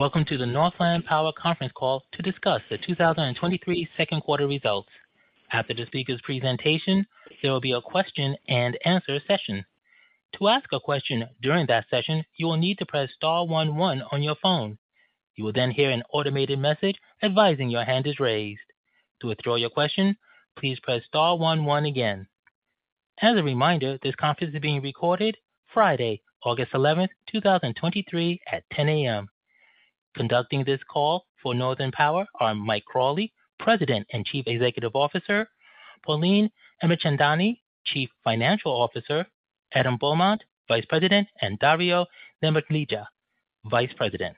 Welcome to the Northland Power Conference Call to discuss the 2023 Second Quarter Results. After the speaker's presentation, there will be a question and answer session. To ask a question during that session, you will need to press star one, one on your phone. You will then hear an automated message advising your hand is raised. To withdraw your question, please press star one, one again. As a reminder, this conference is being recorded Friday, August 11th, 2023, at 10:00 AM. Conducting this call for Northland Power are Mike Crawley, President and Chief Executive Officer, Pauline Alimchandani, Chief Financial Officer, Adam Beaumont, Vice President, and Dario Neimarlija, Vice President.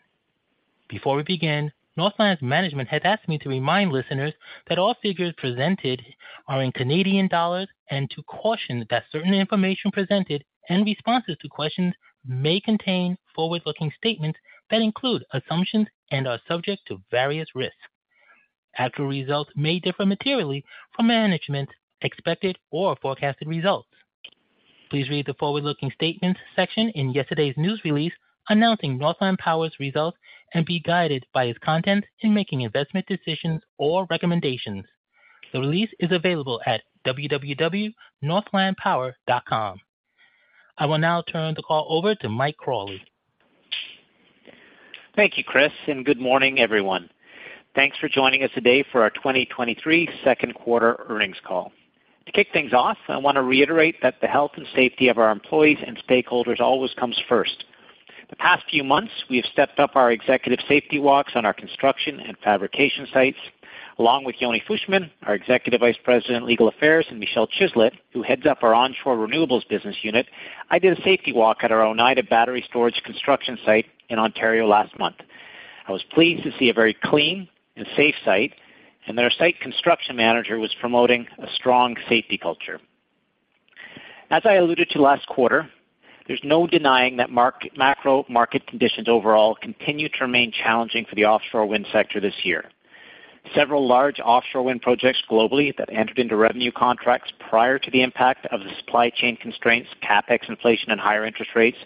Before we begin, Northland's management has asked me to remind listeners that all figures presented are in Canadian dollars, and to caution that certain information presented and responses to questions may contain forward-looking statements that include assumptions and are subject to various risks. Actual results may differ materially from management's expected or forecasted results. Please read the forward-looking statements section in yesterday's news release, announcing Northland Power's results, and be guided by its content in making investment decisions or recommendations. The release is available at www.northlandpower.com. I will now turn the call over to Mike Crawley. Thank you, Chris. Good morning, everyone. Thanks for joining us today for our 2023 second quarter earnings call. To kick things off, I want to reiterate that the health and safety of our employees and stakeholders always comes first. The past few months, we have stepped up our executive safety walks on our construction and fabrication sites, along with Yoni Fushman, our Executive Vice President, Legal Affairs, and Michelle Chislett, who heads up our onshore renewables business unit. I did a safety walk at our Oneida Battery Storage construction site in Ontario last month. I was pleased to see a very clean and safe site. Their site construction manager was promoting a strong safety culture. As I alluded to last quarter, there's no denying that macro market conditions overall continue to remain challenging for the offshore wind sector this year. Several large offshore wind projects globally that entered into revenue contracts prior to the impact of the supply chain constraints, CapEx inflation and higher interest rates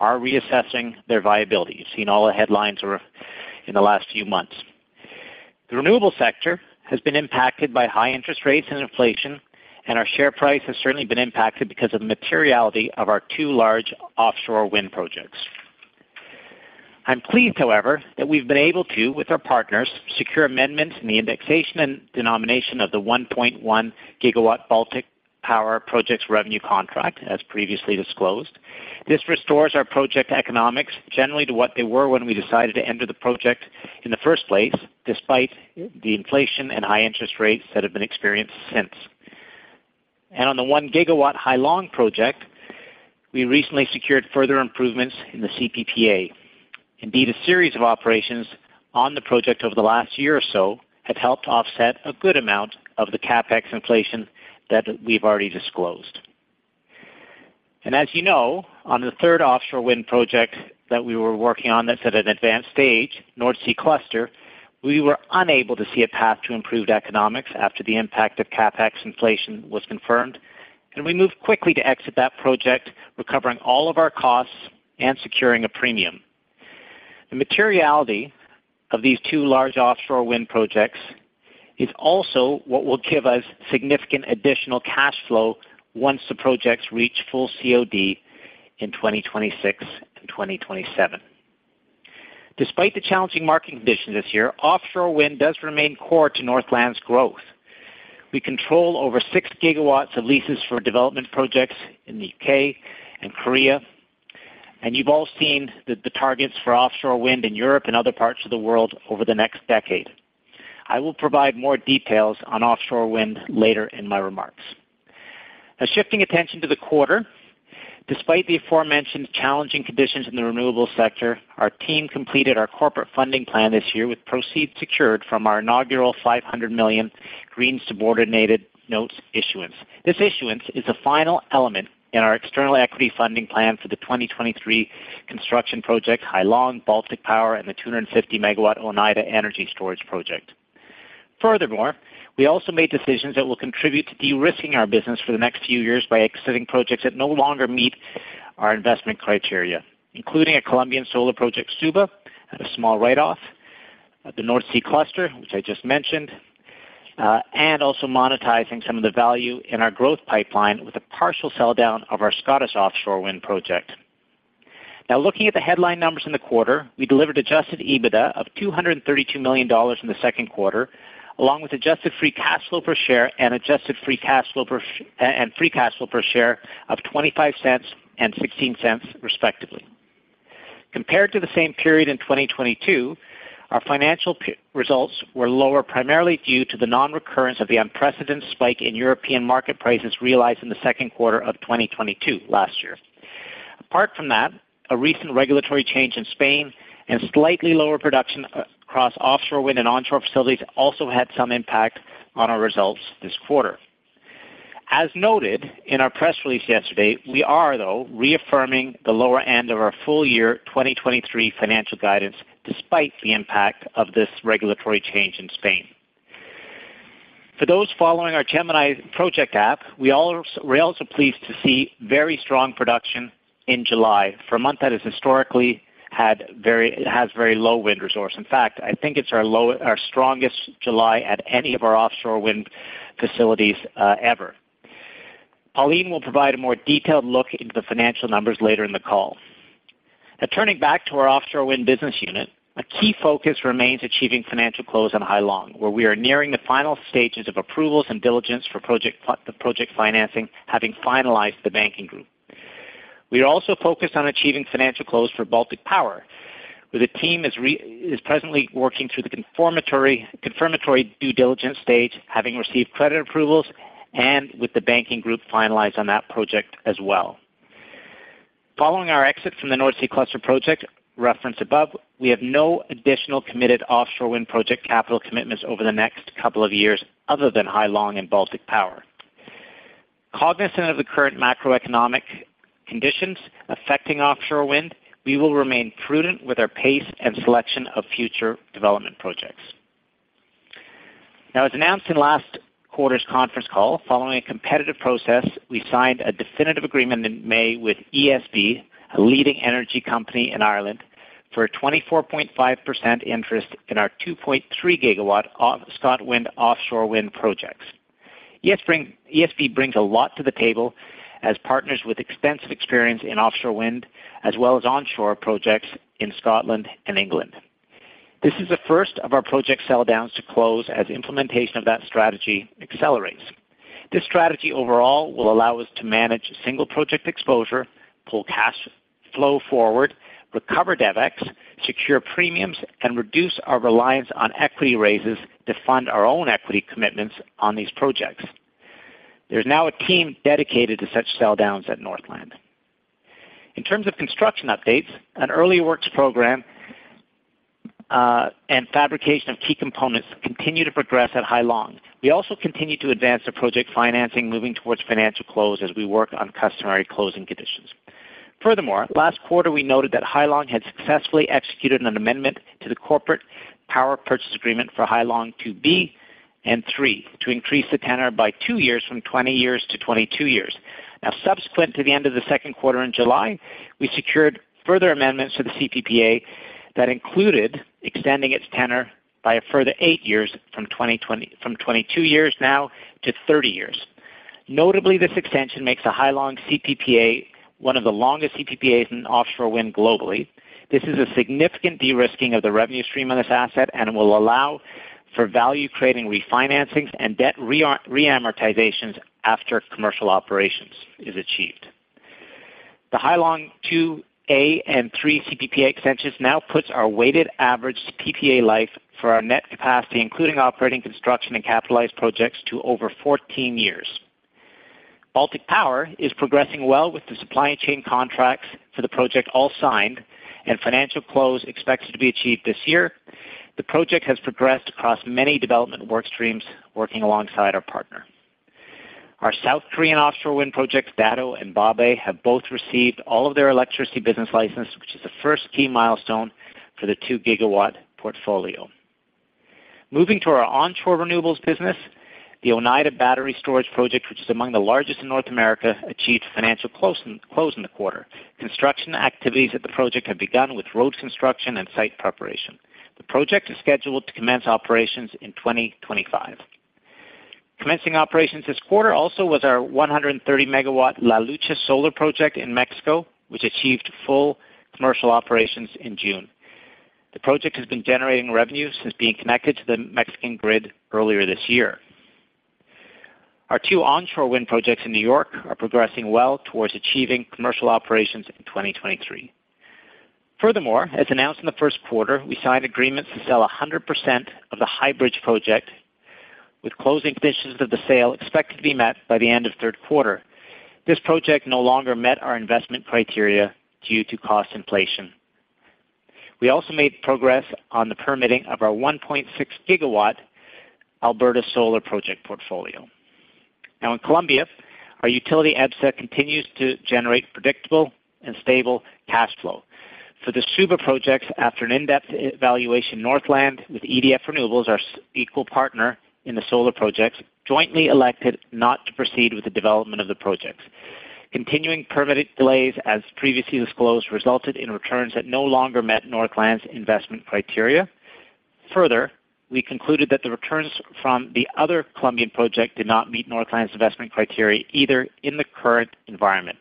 are reassessing their viability. You've seen all the headlines in the last few months. The renewable sector has been impacted by high interest rates and inflation, and our share price has certainly been impacted because of the materiality of our two large offshore wind projects. I'm pleased, however, that we've been able to, with our partners, secure amendments in the indexation and denomination of the 1.1 GW Baltic Power Projects revenue contract, as previously disclosed. This restores our project economics generally to what they were when we decided to enter the project in the first place, despite the inflation and high interest rates that have been experienced since. On the 1 GW Hai Long project, we recently secured further improvements in the CPPA. Indeed, a series of operations on the project over the last year or so have helped offset a good amount of the CapEx inflation that we've already disclosed. As you know, on the third offshore wind project that we were working on that's at an advanced stage, Nordsee Cluster, we were unable to see a path to improved economics after the impact of CapEx inflation was confirmed, and we moved quickly to exit that project, recovering all of our costs and securing a premium. The materiality of these two large offshore wind projects is also what will give us significant additional cash flow once the projects reach full COD in 2026 and 2027. Despite the challenging market conditions this year, offshore wind does remain core to Northland's growth. We control over 6 GW of leases for development projects in the U.K. and Korea. You've all seen the targets for offshore wind in Europe and other parts of the world over the next decade. I will provide more details on offshore wind later in my remarks. Shifting attention to the quarter. Despite the aforementioned challenging conditions in the renewable sector, our team completed our corporate funding plan this year with proceeds secured from our inaugural 500 million Green Subordinated Notes issuance. This issuance is the final element in our external equity funding plan for the 2023 construction project, Hai Long, Baltic Power, and the 250 MW Oneida Energy Storage Project. Furthermore, we also made decisions that will contribute to de-risking our business for the next few years by exiting projects that no longer meet our investment criteria, including a Colombian solar project, Suba, at a small write-off, at the Nordsee Cluster, which I just mentioned, and also monetizing some of the value in our growth pipeline with a partial sell-down of our Scottish offshore wind project. Now, looking at the headline numbers in the quarter, we delivered adjusted EBITDA of 232 million dollars in the second quarter, along with adjusted free cash flow per share and free cash flow per share of 0.25 and 0.16, respectively. Compared to the same period in 2022, our financial results were lower, primarily due to the non-recurrence of the unprecedented spike in European market prices realized in the second quarter of 2022 last year. Apart from that, a recent regulatory change in Spain and slightly lower production across offshore wind and onshore facilities also had some impact on our results this quarter. As noted in our press release yesterday, we are, though, reaffirming the lower end of our full year 2023 financial guidance, despite the impact of this regulatory change in Spain. For those following our Gemini project app, we all are, we're also pleased to see very strong production in July for a month that has historically had very low wind resource. In fact, I think it's our strongest July at any of our offshore wind facilities ever. Pauline will provide a more detailed look into the financial numbers later in the call. Turning back to our offshore wind business unit, a key focus remains achieving financial close on Hai Long, where we are nearing the final stages of approvals and diligence for the project financing, having finalized the banking group. We are also focused on achieving financial close for Baltic Power, where the team is presently working through the confirmatory due diligence stage, having received credit approvals and with the banking group finalized on that project as well. Following our exit from the Nordsee Cluster project, referenced above, we have no additional committed offshore wind project capital commitments over the next couple of years other than Hai Long and Baltic Power. Cognizant of the current macroeconomic conditions affecting offshore wind, we will remain prudent with our pace and selection of future development projects. As announced in last quarter's conference call, following a competitive process, we signed a definitive agreement in May with ESB, a leading energy company in Ireland, for a 24.5% interest in our 2.3 GW ScotWind offshore wind projects. ESB brings a lot to the table as partners with extensive experience in offshore wind, as well as onshore projects in Scotland and England. This is the first of our project sell downs to close as implementation of that strategy accelerates. This strategy overall will allow us to manage single project exposure, pull cash flow forward, recover DevEx, secure premiums, and reduce our reliance on equity raises to fund our own equity commitments on these projects. There's now a team dedicated to such sell downs at Northland. In terms of construction updates, an early works program, and fabrication of key components continue to progress at Hai Long. We also continue to advance the project financing, moving towards financial close as we work on customary closing conditions. Furthermore, last quarter, we noted that Hai Long had successfully executed an amendment to the Corporate Power Purchase Agreement for Hai Long 2B and 3 to increase the tenor by two years, from 20 years to 22 years. Now, subsequent to the end of the second quarter in July, we secured further amendments to the CPPA that included extending its tenor by a further eight years from 22 years now to 30 years. Notably, this extension makes the Hai Long CPPA one of the longest CPPA in offshore wind globally. This is a significant de-risking of the revenue stream on this asset and will allow for value-creating refinancings and debt reamortizations after commercial operations is achieved. The Hai Long 2A and 3 CPPA extensions now puts our weighted average PPA life for our net capacity, including operating, construction, and capitalized projects, to over 14 years. Baltic Power is progressing well with the supply chain contracts for the project all signed and financial close expected to be achieved this year. The project has progressed across many development work streams working alongside our partner. Our South Korean offshore wind projects, Dado and Bobae, have both received all of their electricity business license, which is the first key milestone for the 2 gigawatt portfolio. Moving to our onshore renewables business, the Oneida Energy Storage Project, which is among the largest in North America, achieved financial close in the quarter. Construction activities at the project have begun with road construction and site preparation. The project is scheduled to commence operations in 2025. Commencing operations this quarter also was our 130 MW La Lucha solar project in Mexico, which achieved full commercial operations in June. The project has been generating revenues since being connected to the Mexican grid earlier this year. Our two onshore wind projects in New York are progressing well towards achieving commercial operations in 2023. Furthermore, as announced in the first quarter, we signed agreements to sell 100% of the High Bridge project, with closing conditions of the sale expected to be met by the end of third quarter. This project no longer met our investment criteria due to cost inflation. We also made progress on the permitting of our 1.6 GW Alberta solar project portfolio. Now, in Colombia, our utility, EBSA, continues to generate predictable and stable cash flow. For the Suba projects, after an in-depth evaluation, Northland, with EDF Renewables, our equal partner in the solar projects, jointly elected not to proceed with the development of the projects. Continuing permit delays, as previously disclosed, resulted in returns that no longer met Northland's investment criteria. Further, we concluded that the returns from the other Colombian project did not meet Northland's investment criteria either in the current environment.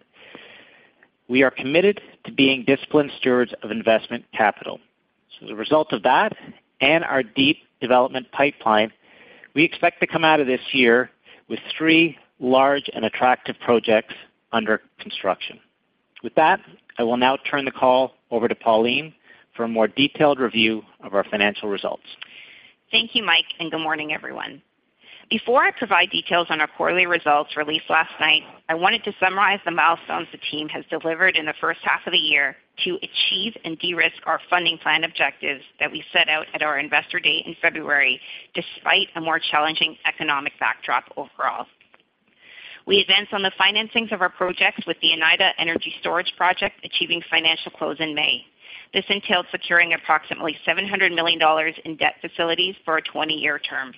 We are committed to being disciplined stewards of investment capital. As a result of that and our deep development pipeline, we expect to come out of this year with three large and attractive projects under construction. With that, I will now turn the call over to Pauline for a more detailed review of our financial results. Thank you, Mike, and good morning, everyone. Before I provide details on our quarterly results released last night, I wanted to summarize the milestones the team has delivered in the first half of the year to achieve and de-risk our funding plan objectives that we set out at our investor date in February, despite a more challenging economic backdrop overall. We advanced on the financings of our projects with the Oneida Energy Storage Project, achieving financial close in May. This entailed securing approximately 700 million dollars in debt facilities for a 20-year term.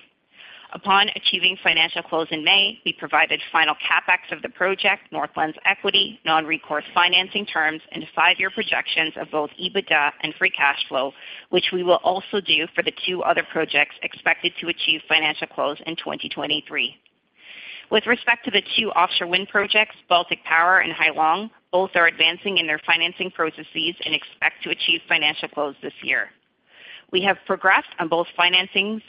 Upon achieving financial close in May, we provided final CapEx of the project, Northland's equity, non-recourse financing terms, and five year projections of both EBITDA and free cash flow, which we will also do for the two other projects expected to achieve financial close in 2023. With respect to the two offshore wind projects, Baltic Power and Hai Long, both are advancing in their financing processes and expect to achieve financial close this year. We have progressed on both financings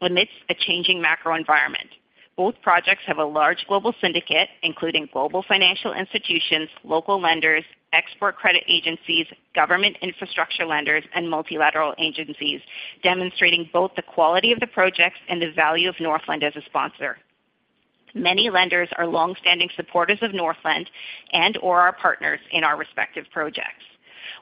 amidst a changing macro environment. Both projects have a large global syndicate, including global financial institutions, local lenders, export credit agencies, government infrastructure lenders, and multilateral agencies, demonstrating both the quality of the projects and the value of Northland as a sponsor. Many lenders are long-standing supporters of Northland and/or our partners in our respective projects.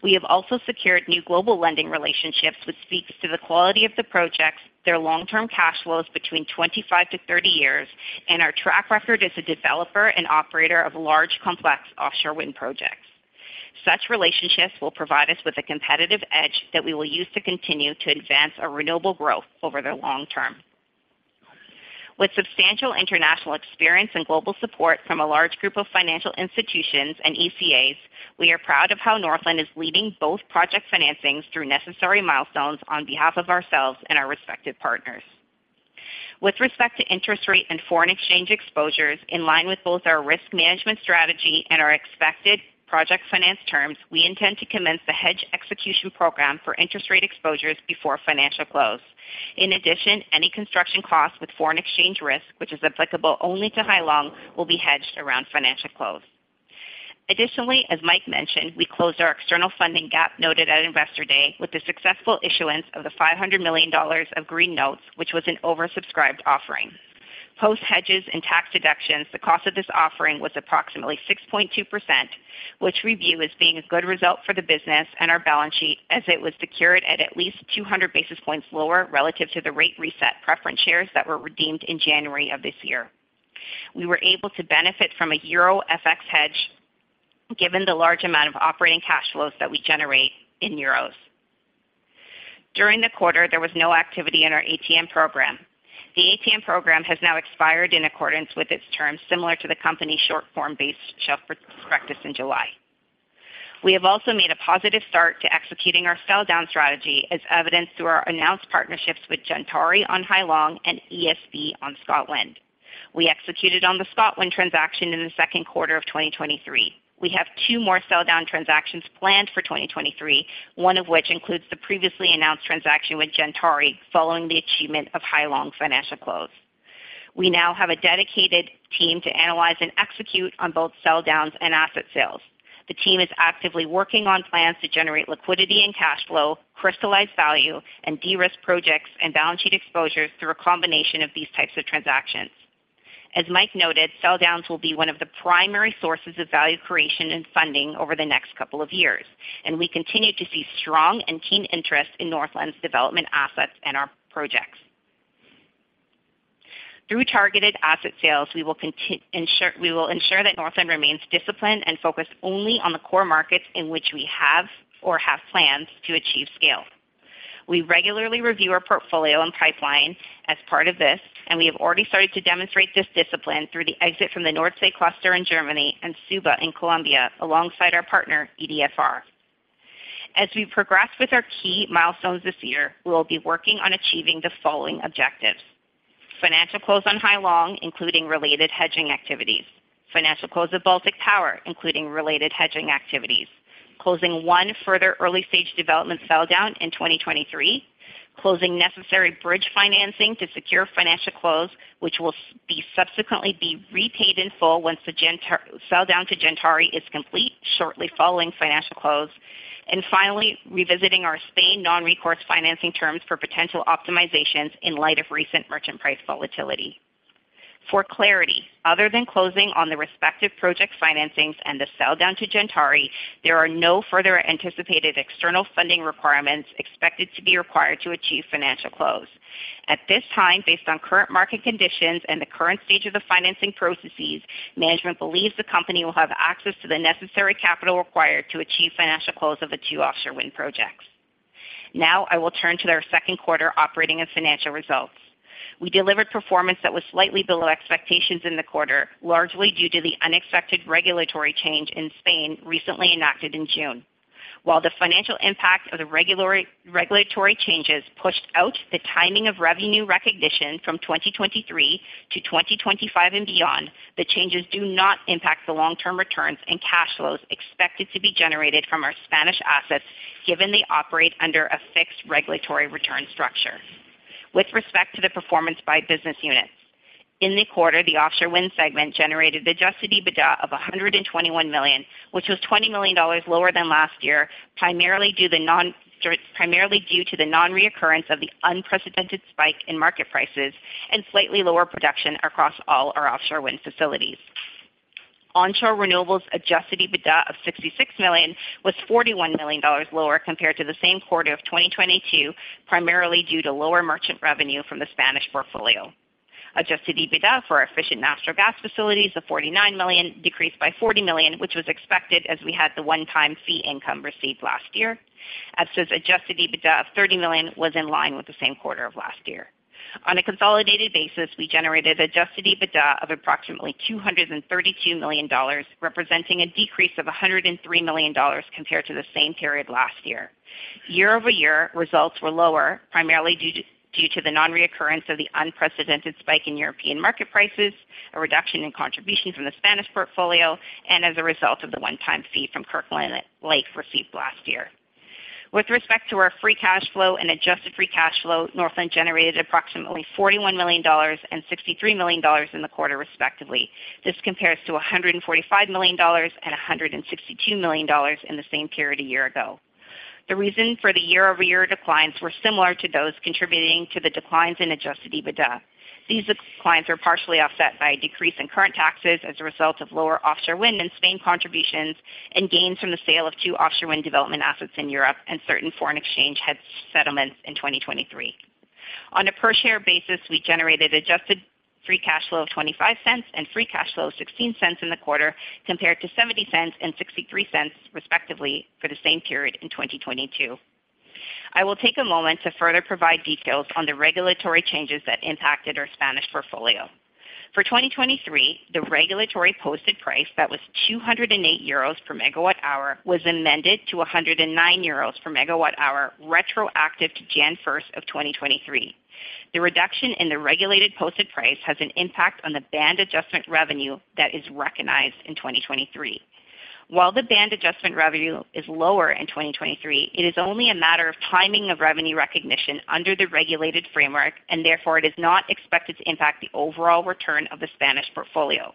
We have also secured new global lending relationships, which speaks to the quality of the projects, their long-term cash flows between 25 years-30 years, and our track record as a developer and operator of large, complex offshore wind projects. Such relationships will provide us with a competitive edge that we will use to continue to advance our renewable growth over the long term. With substantial international experience and global support from a large group of financial institutions and ECAs, we are proud of how Northland is leading both project financings through necessary milestones on behalf of ourselves and our respective partners. With respect to interest rate and foreign exchange exposures, in line with both our risk management strategy and our expected project finance terms, we intend to commence the hedge execution program for interest rate exposures before financial close. In addition, any construction costs with foreign exchange risk, which is applicable only to Hai Long, will be hedged around financial close. As Mike mentioned, we closed our external funding gap noted at Investor Day with the successful issuance of the 500 million dollars of Green Notes, which was an oversubscribed offering. Post hedges and tax deductions, the cost of this offering was approximately 6.2%, which we view as being a good result for the business and our balance sheet, as it was secured at at least 200 basis points lower relative to the rate reset preference shares that were redeemed in January of this year. We were able to benefit from a EUR FX hedge, given the large amount of operating cash flows that we generate in EUR. During the quarter, there was no activity in our ATM program. The ATM program has now expired in accordance with its terms, similar to the company's short-form-based shelf practice in July. We have also made a positive start to executing our sell down strategy, as evidenced through our announced partnerships with Gentari on Hai Long and ESB on ScotWind. We executed on the ScotWind transaction in the second quarter of 2023. We have two more sell down transactions planned for 2023, one of which includes the previously announced transaction with Gentari following the achievement of Hai Long's financial close. We now have a dedicated team to analyze and execute on both sell downs and asset sales. The team is actively working on plans to generate liquidity and cash flow, crystallize value, and de-risk projects and balance sheet exposures through a combination of these types of transactions. As Mike noted, sell downs will be one of the primary sources of value creation and funding over the next couple of years, and we continue to see strong and keen interest in Northland's development assets and our projects. Through targeted asset sales, we will ensure that Northland remains disciplined and focused only on the core markets in which we have or have plans to achieve scale. We regularly review our portfolio and pipeline as part of this, and we have already started to demonstrate this discipline through the exit from the Nordsee Cluster in Germany and Suba in Colombia, alongside our partner, EDFR. As we progress with our key milestones this year, we will be working on achieving the following objectives: Financial close on Hai Long, including related hedging activities. Financial close of Baltic Power, including related hedging activities. Closing 1 further early-stage development sell down in 2023. Closing necessary bridge financing to secure financial close, which will be subsequently be repaid in full once the sell down to Gentari is complete, shortly following financial close. Finally, revisiting our Spain non-recourse financing terms for potential optimizations in light of recent merchant price volatility. For clarity, other than closing on the respective project financings and the sell down to Gentari, there are no further anticipated external funding requirements expected to be required to achieve financial close. At this time, based on current market conditions and the current stage of the financing processes, management believes the company will have access to the necessary capital required to achieve financial close of the two offshore wind projects. Now, I will turn to our second quarter operating and financial results. We delivered performance that was slightly below expectations in the quarter, largely due to the unexpected regulatory change in Spain, recently enacted in June. While the financial impact of the regulatory changes pushed out the timing of revenue recognition from 2023 to 2025 and beyond, the changes do not impact the long-term returns and cash flows expected to be generated from our Spanish assets, given they operate under a fixed regulatory return structure. With respect to the performance by business units, in the quarter, the offshore wind segment generated adjusted EBITDA of 121 million, which was 20 million dollars lower than last year, primarily due to the non-reoccurrence of the unprecedented spike in market prices and slightly lower production across all our offshore wind facilities. Onshore renewables adjusted EBITDA of 66 million was 41 million dollars lower compared to the same quarter of 2022, primarily due to lower merchant revenue from the Spanish portfolio. Adjusted EBITDA for our efficient natural gas facilities of 49 million decreased by 40 million, which was expected as we had the one-time fee income received last year. EBSA's adjusted EBITDA of 30 million was in line with the same quarter of last year. On a consolidated basis, we generated adjusted EBITDA of approximately 232 million dollars, representing a decrease of 103 million dollars compared to the same period last year. Year-over-year results were lower, primarily due to the non-reoccurrence of the unprecedented spike in European market prices, a reduction in contributions from the Spanish portfolio, and as a result of the one-time fee from Kirkland Lake received last year. With respect to our free cash flow and adjusted free cash flow, Northland generated approximately 41 million dollars and 63 million dollars in the quarter, respectively. This compares to 145 million dollars and 162 million dollars in the same period a year ago. The reason for the year-over-year declines were similar to those contributing to the declines in adjusted EBITDA. These declines were partially offset by a decrease in current taxes as a result of lower offshore wind and Spain contributions, and gains from the sale of two offshore wind development assets in Europe and certain foreign exchange hedge settlements in 2023. On a per-share basis, we generated adjusted free cash flow of 0.25 and free cash flow of 0.16 in the quarter, compared to 0.70 and 0.63, respectively, for the same period in 2022. I will take a moment to further provide details on the regulatory changes that impacted our Spanish portfolio. For 2023, the regulated posted price, that was 208 euros/MWh, was amended to 109 euros/MWh, retroactive to January 1st, 2023. The reduction in the regulated posted price has an impact on the band adjustment revenue that is recognized in 2023. While the band adjustment revenue is lower in 2023, it is only a matter of timing of revenue recognition under the regulated framework. Therefore, it is not expected to impact the overall return of the Spanish portfolio.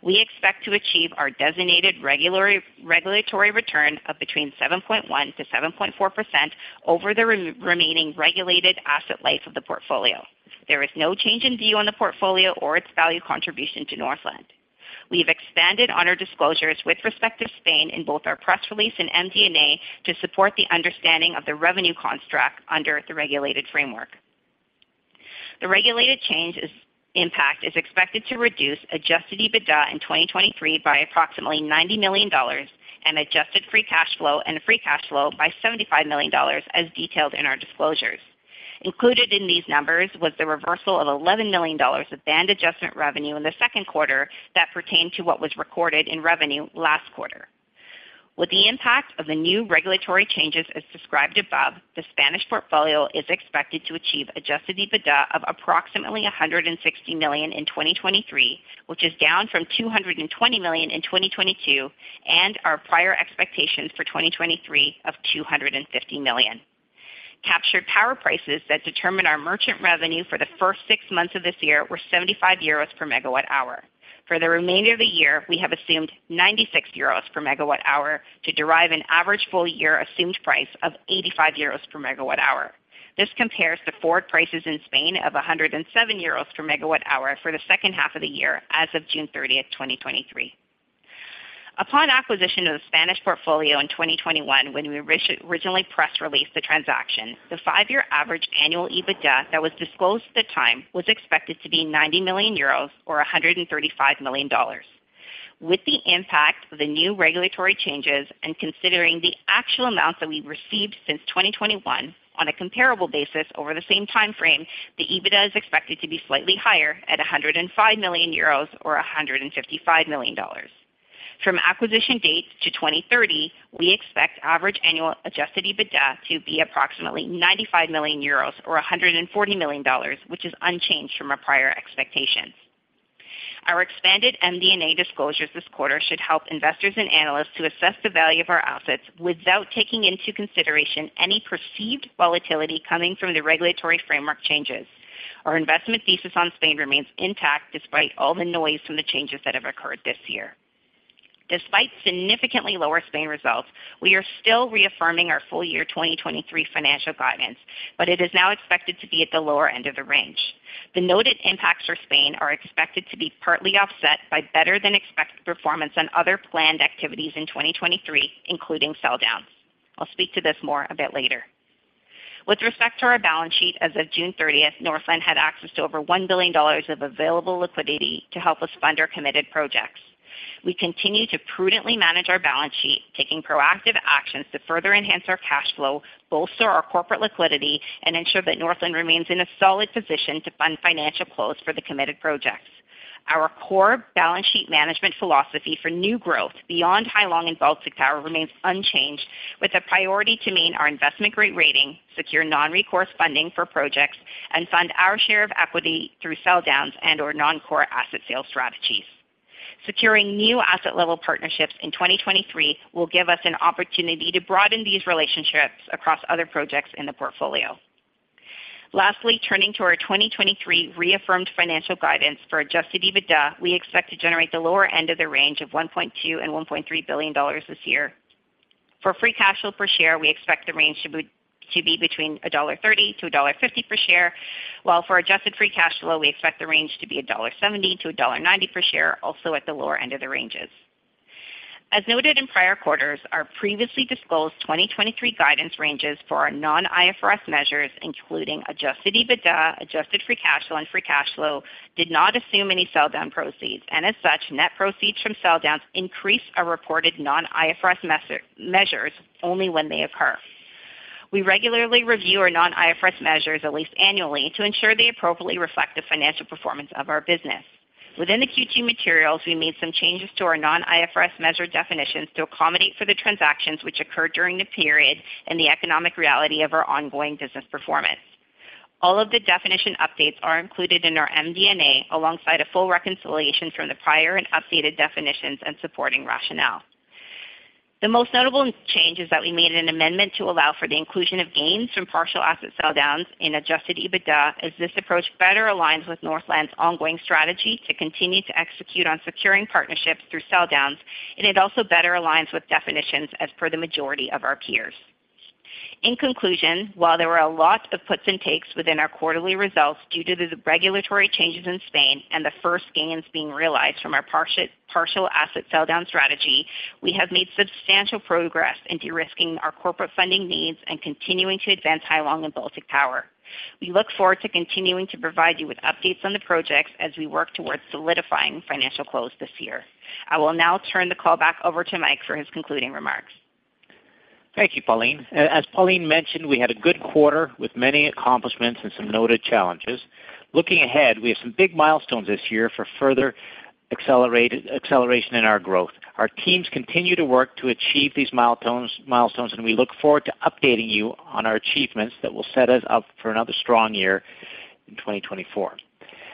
We expect to achieve our designated regulatory return of between 7.1%-7.4% over the remaining regulated asset life of the portfolio. There is no change in view on the portfolio or its value contribution to Northland. We've expanded on our disclosures with respect to Spain in both our press release and MD&A to support the understanding of the revenue construct under the regulated framework. The regulated changes impact is expected to reduce adjusted EBITDA in 2023 by approximately CAD 90 million and adjusted free cash flow and free cash flow by CAD 75 million, as detailed in our disclosures. Included in these numbers was the reversal of CAD 11 million of band adjustment revenue in the second quarter that pertained to what was recorded in revenue last quarter. With the impact of the new regulatory changes, as described above, the Spanish portfolio is expected to achieve adjusted EBITDA of approximately 160 million in 2023, which is down from 220 million in 2022, and our prior expectations for 2023 of 250 million. Captured power prices that determine our merchant revenue for the first six months of this year were 75 euros per megawatt-hour. For the remainder of the year, we have assumed 96 euros per MWh to derive an average full-year assumed price of 85 euros per MWh. This compares to forward prices in Spain of 107 euros per MWh for the second half of the year as of June 30th, 2023. Upon acquisition of the Spanish portfolio in 2021, when we originally press released the transaction, the five-year average annual EBITDA that was disclosed at the time was expected to be 90 million euros or 135 million dollars. With the impact of the new regulatory changes and considering the actual amounts that we've received since 2021 on a comparable basis over the same time frame, the EBITDA is expected to be slightly higher at 105 million euros or 155 million dollars. From acquisition date to 2030, we expect average annual adjusted EBITDA to be approximately 95 million euros or 140 million dollars, which is unchanged from our prior expectations. Our expanded MD&A disclosures this quarter should help investors and analysts to assess the value of our assets without taking into consideration any perceived volatility coming from the regulatory framework changes. Our investment thesis on Spain remains intact despite all the noise from the changes that have occurred this year. Despite significantly lower Spain results, we are still reaffirming our full year 2023 financial guidance, but it is now expected to be at the lower end of the range. The noted impacts for Spain are expected to be partly offset by better-than-expected performance on other planned activities in 2023, including sell downs. I'll speak to this more a bit later. With respect to our balance sheet, as of June 30th, Northland had access to over 1 billion dollars of available liquidity to help us fund our committed projects. We continue to prudently manage our balance sheet, taking proactive actions to further enhance our cash flow, bolster our corporate liquidity, and ensure that Northland remains in a solid position to fund financial close for the committed projects. Our core balance sheet management philosophy for new growth beyond Hai Long and Baltic Power remains unchanged, with a priority to maintain our investment-grade rating, secure non-recourse funding for projects, and fund our share of equity through sell downs and/or non-core asset sales strategies. Securing new asset-level partnerships in 2023 will give us an opportunity to broaden these relationships across other projects in the portfolio. Lastly, turning to our 2023 reaffirmed financial guidance for adjusted EBITDA, we expect to generate the lower end of the range of $1.2 billion and $1.3 billion this year. For free cash flow per share, we expect the range to be between $1.30-$1.50 per share, while for adjusted free cash flow, we expect the range to be $1.70-$1.90 per share, also at the lower end of the ranges. As noted in prior quarters, our previously disclosed 2023 guidance ranges for our non-IFRS measures, including adjusted EBITDA, adjusted free cash flow, and free cash flow, did not assume any sell down proceeds, and as such, net proceeds from sell downs increase our reported non-IFRS measures only when they occur. We regularly review our non-IFRS measures at least annually, to ensure they appropriately reflect the financial performance of our business. Within the Q2 materials, we made some changes to our non-IFRS measure definitions to accommodate for the transactions which occurred during the period and the economic reality of our ongoing business performance. All of the definition updates are included in our MD&A, alongside a full reconciliation from the prior and updated definitions and supporting rationale. The most notable change is that we made an amendment to allow for the inclusion of gains from partial asset sell downs in adjusted EBITDA, as this approach better aligns with Northland's ongoing strategy to continue to execute on securing partnerships through sell downs, and it also better aligns with definitions as per the majority of our peers. In conclusion, while there were a lot of puts and takes within our quarterly results due to the regulatory changes in Spain and the first gains being realized from our partial, partial asset sell down strategy, we have made substantial progress in de-risking our corporate funding needs and continuing to advance Hai Long and Baltic Power. We look forward to continuing to provide you with updates on the projects as we work towards solidifying financial close this year. I will now turn the call back over to Mike for his concluding remarks. Thank you, Pauline. As Pauline mentioned, we had a good quarter with many accomplishments and some noted challenges. Looking ahead, we have some big milestones this year for further acceleration in our growth. Our teams continue to work to achieve these milestones, and we look forward to updating you on our achievements that will set us up for another strong year in 2024.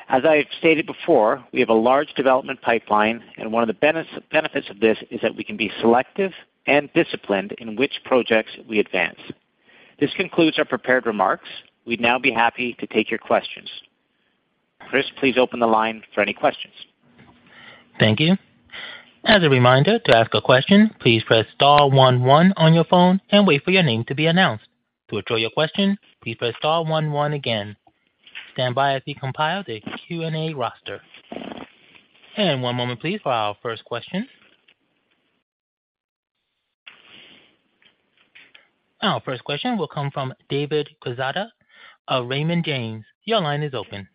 As I have stated before, we have a large development pipeline, and one of the benefits of this is that we can be selective and disciplined in which projects we advance. This concludes our prepared remarks. We'd now be happy to take your questions. Chris, please open the line for any questions. Thank you. As a reminder, to ask a question, please press star one one on your phone and wait for your name to be announced. To withdraw your question, please press star one one again. Stand by as we compile the Q&A roster. One moment, please, for our first question. Our first question will come from David Quezada of Raymond James. Your line is open.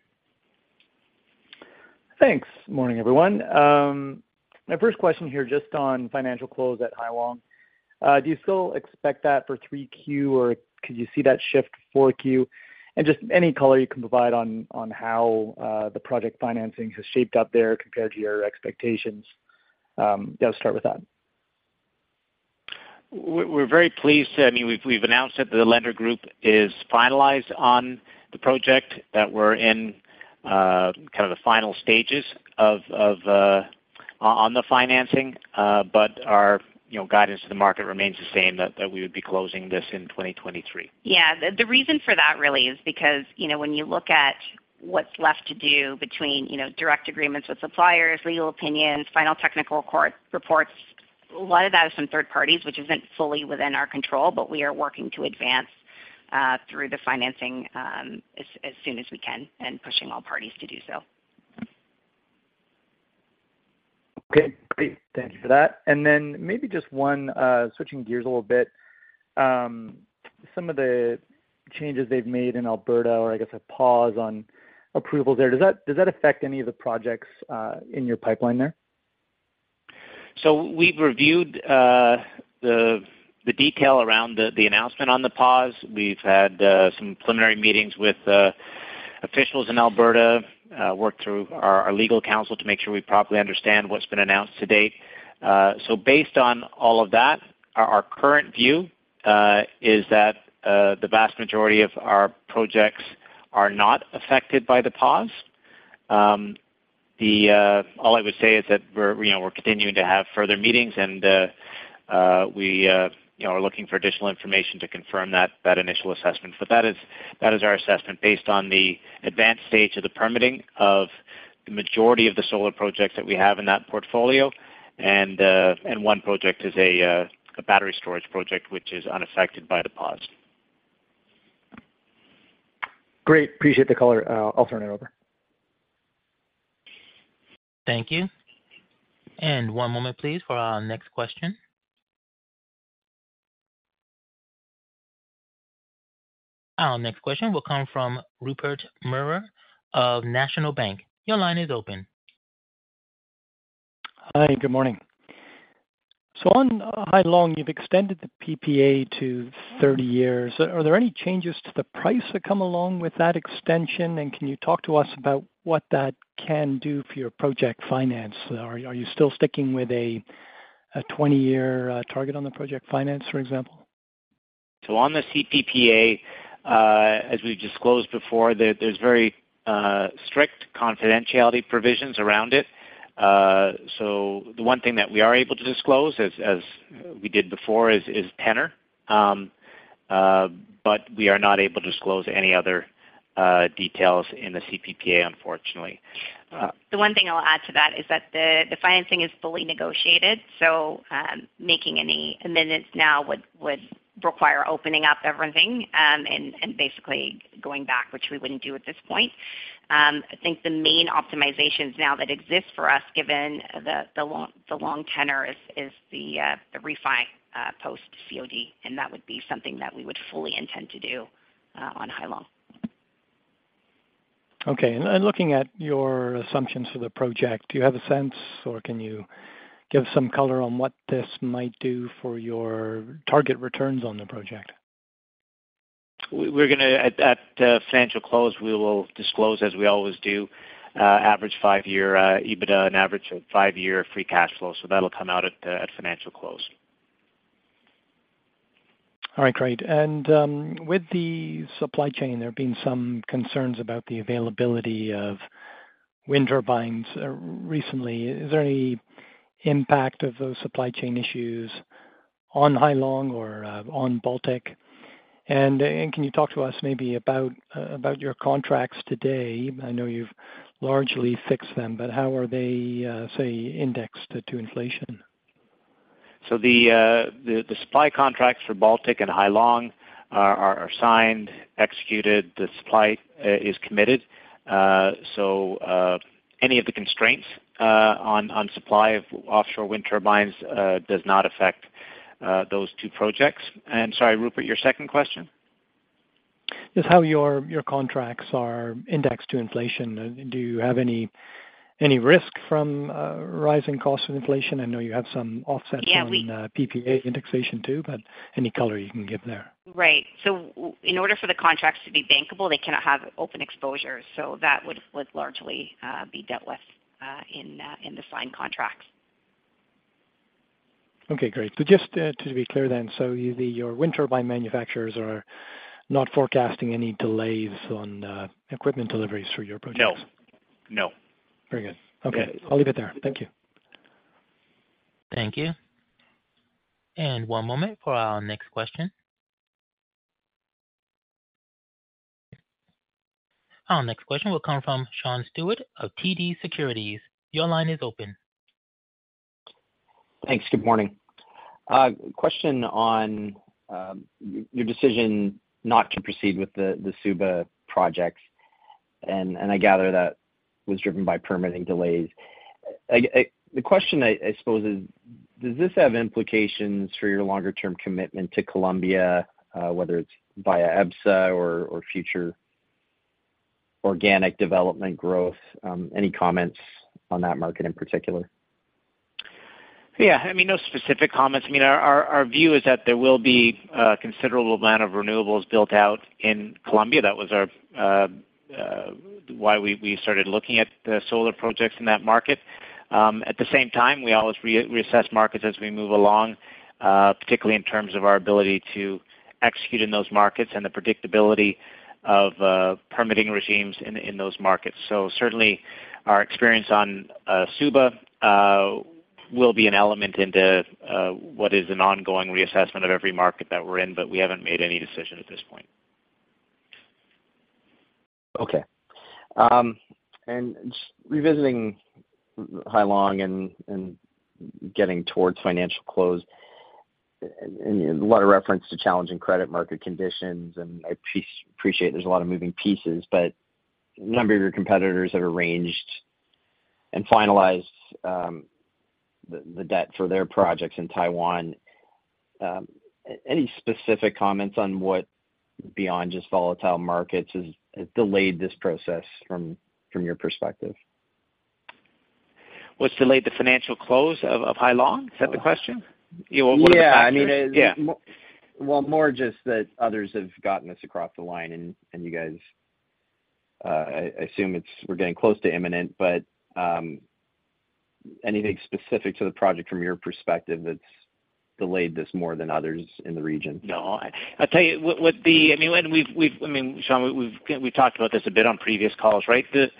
Thanks. Morning, everyone. My first question here, just on financial close at Hai Long. Do you still expect that for three Q, or could you see that shift to four Q? Just any color you can provide on how the project financing has shaped up there compared to your expectations. Let's start with that. We're very pleased. I mean, we've, we've announced that the lender group is finalized on the project, that we're in, kind of the final stages of, of, on the financing. Our, you know, guidance to the market remains the same, that, that we would be closing this in 2023. Yeah. The, the reason for that really is because, you know, when you look at what's left to do between, you know, direct agreements with suppliers, legal opinions, final technical court reports, a lot of that is from third parties, which isn't fully within our control, but we are working to advance through the financing, as, as soon as we can and pushing all parties to do so. Okay, great. Thank you for that. Maybe just one, switching gears a little bit, some of the changes they've made in Alberta, or I guess, a pause on approval there, does that, does that affect any of the projects, in your pipeline there? We've reviewed the detail around the announcement on the pause. We've had some preliminary meetings with officials in Alberta, worked through our legal counsel to make sure we properly understand what's been announced to date. Based on all of that, our current view is that the vast majority of our projects are not affected by the pause. All I would say is that we're, you know, we're continuing to have further meetings, and we, you know, are looking for additional information to confirm that initial assessment. That is, that is our assessment, based on the advanced stage of the permitting of the majority of the solar projects that we have in that portfolio. one project is a battery storage project, which is unaffected by the pause. Great. Appreciate the color, I'll turn it over. Thank you. And one moment, please, for our next question. Our next question will come from Rupert Merer of National Bank Financial. Your line is open. Hi, good morning. on Hai Long, you've extended the PPA to 30 years. Are there any changes to the price that come along with that extension? And can you talk to us about what that can do for your project finance? Are you, are you still sticking with a 20-year target on the project finance, for example? On the CPPA, as we've disclosed before, there, there's very strict confidentiality provisions around it. The one thing that we are able to disclose, as, as we did before, is, is tenor, but we are not able to disclose any other details in the CPPA, unfortunately. The one thing I'll add to that is that the financing is fully negotiated, so making any amendments now would require opening up everything and basically going back, which we wouldn't do at this point. I think the main optimizations now that exist for us, given the long tenor is the refi post COD, and that would be something that we would fully intend to do on Hai Long. Okay. Looking at your assumptions for the project, do you have a sense, or can you give some color on what this might do for your target returns on the project? we're gonna at financial close, we will disclose, as we always do, average five year EBITDA and average five year free cash flow. That'll come out at financial close. All right, great. With the supply chain, there have been some concerns about the availability of wind turbines recently. Is there any impact of those supply chain issues on Hai Long or on Baltic? Can you talk to us maybe about your contracts today? I know you've largely fixed them, but how are they, say, indexed to inflation? The supply contracts for Baltic and Hai Long are signed, executed. The supply is committed. Any of the constraints on supply of offshore wind turbines does not affect those two projects. Sorry, Rupert, your second question? Just how your, your contracts are indexed to inflation. Do you have any, any risk from rising costs of inflation? I know you have some offset- Yeah. -from, PPA indexation, too, any color you can give there? Right. In order for the contracts to be bankable, they cannot have open exposure, so that would, would largely be dealt with in the signed contracts. Okay, great. Just to be clear then, so your wind turbine manufacturers are not forecasting any delays on equipment deliveries for your projects? No. No. Very good. Yeah. Okay, I'll leave it there. Thank you. Thank you. One moment for our next question. Our next question will come from Sean Steuart of TD Securities. Your line is open. Thanks. Good morning. Question on your decision not to proceed with the Suba projects, and I gather that was driven by permitting delays. The question I suppose is, does this have implications for your longer-term commitment to Colombia, whether it's via EBSA or future organic development growth? Any comments on that market in particular? Yeah, I mean, no specific comments. I mean, our, our, our view is that there will be a considerable amount of renewables built out in Colombia. That was our why we, we started looking at the solar projects in that market. At the same time, we always re-reassess markets as we move along, particularly in terms of our ability to execute in those markets and the predictability of permitting regimes in, in those markets. Certainly, our experience on Suba will be an element into what is an ongoing reassessment of every market that we're in, but we haven't made any decision at this point. Okay. Revisiting Hai Long and, and getting towards financial close, and, and a lot of reference to challenging credit market conditions, and I appreciate there's a lot of moving pieces, but a number of your competitors have arranged and finalized, the, the debt for their projects in Taiwan. Any specific comments on what, beyond just volatile markets, has, has delayed this process from, from your perspective? What's delayed the financial close of Hai Long? Is that the question? Yeah, I mean- Yeah. Well, more just that others have gotten this across the line, and, and you guys, I, I assume it's, we're getting close to imminent, but, anything specific to the project from your perspective that's delayed this more than others in the region? No. I'll tell you what, what the... I mean, and we've, we've, I mean, Sean, we've, we've talked about this a bit on previous calls, right? The,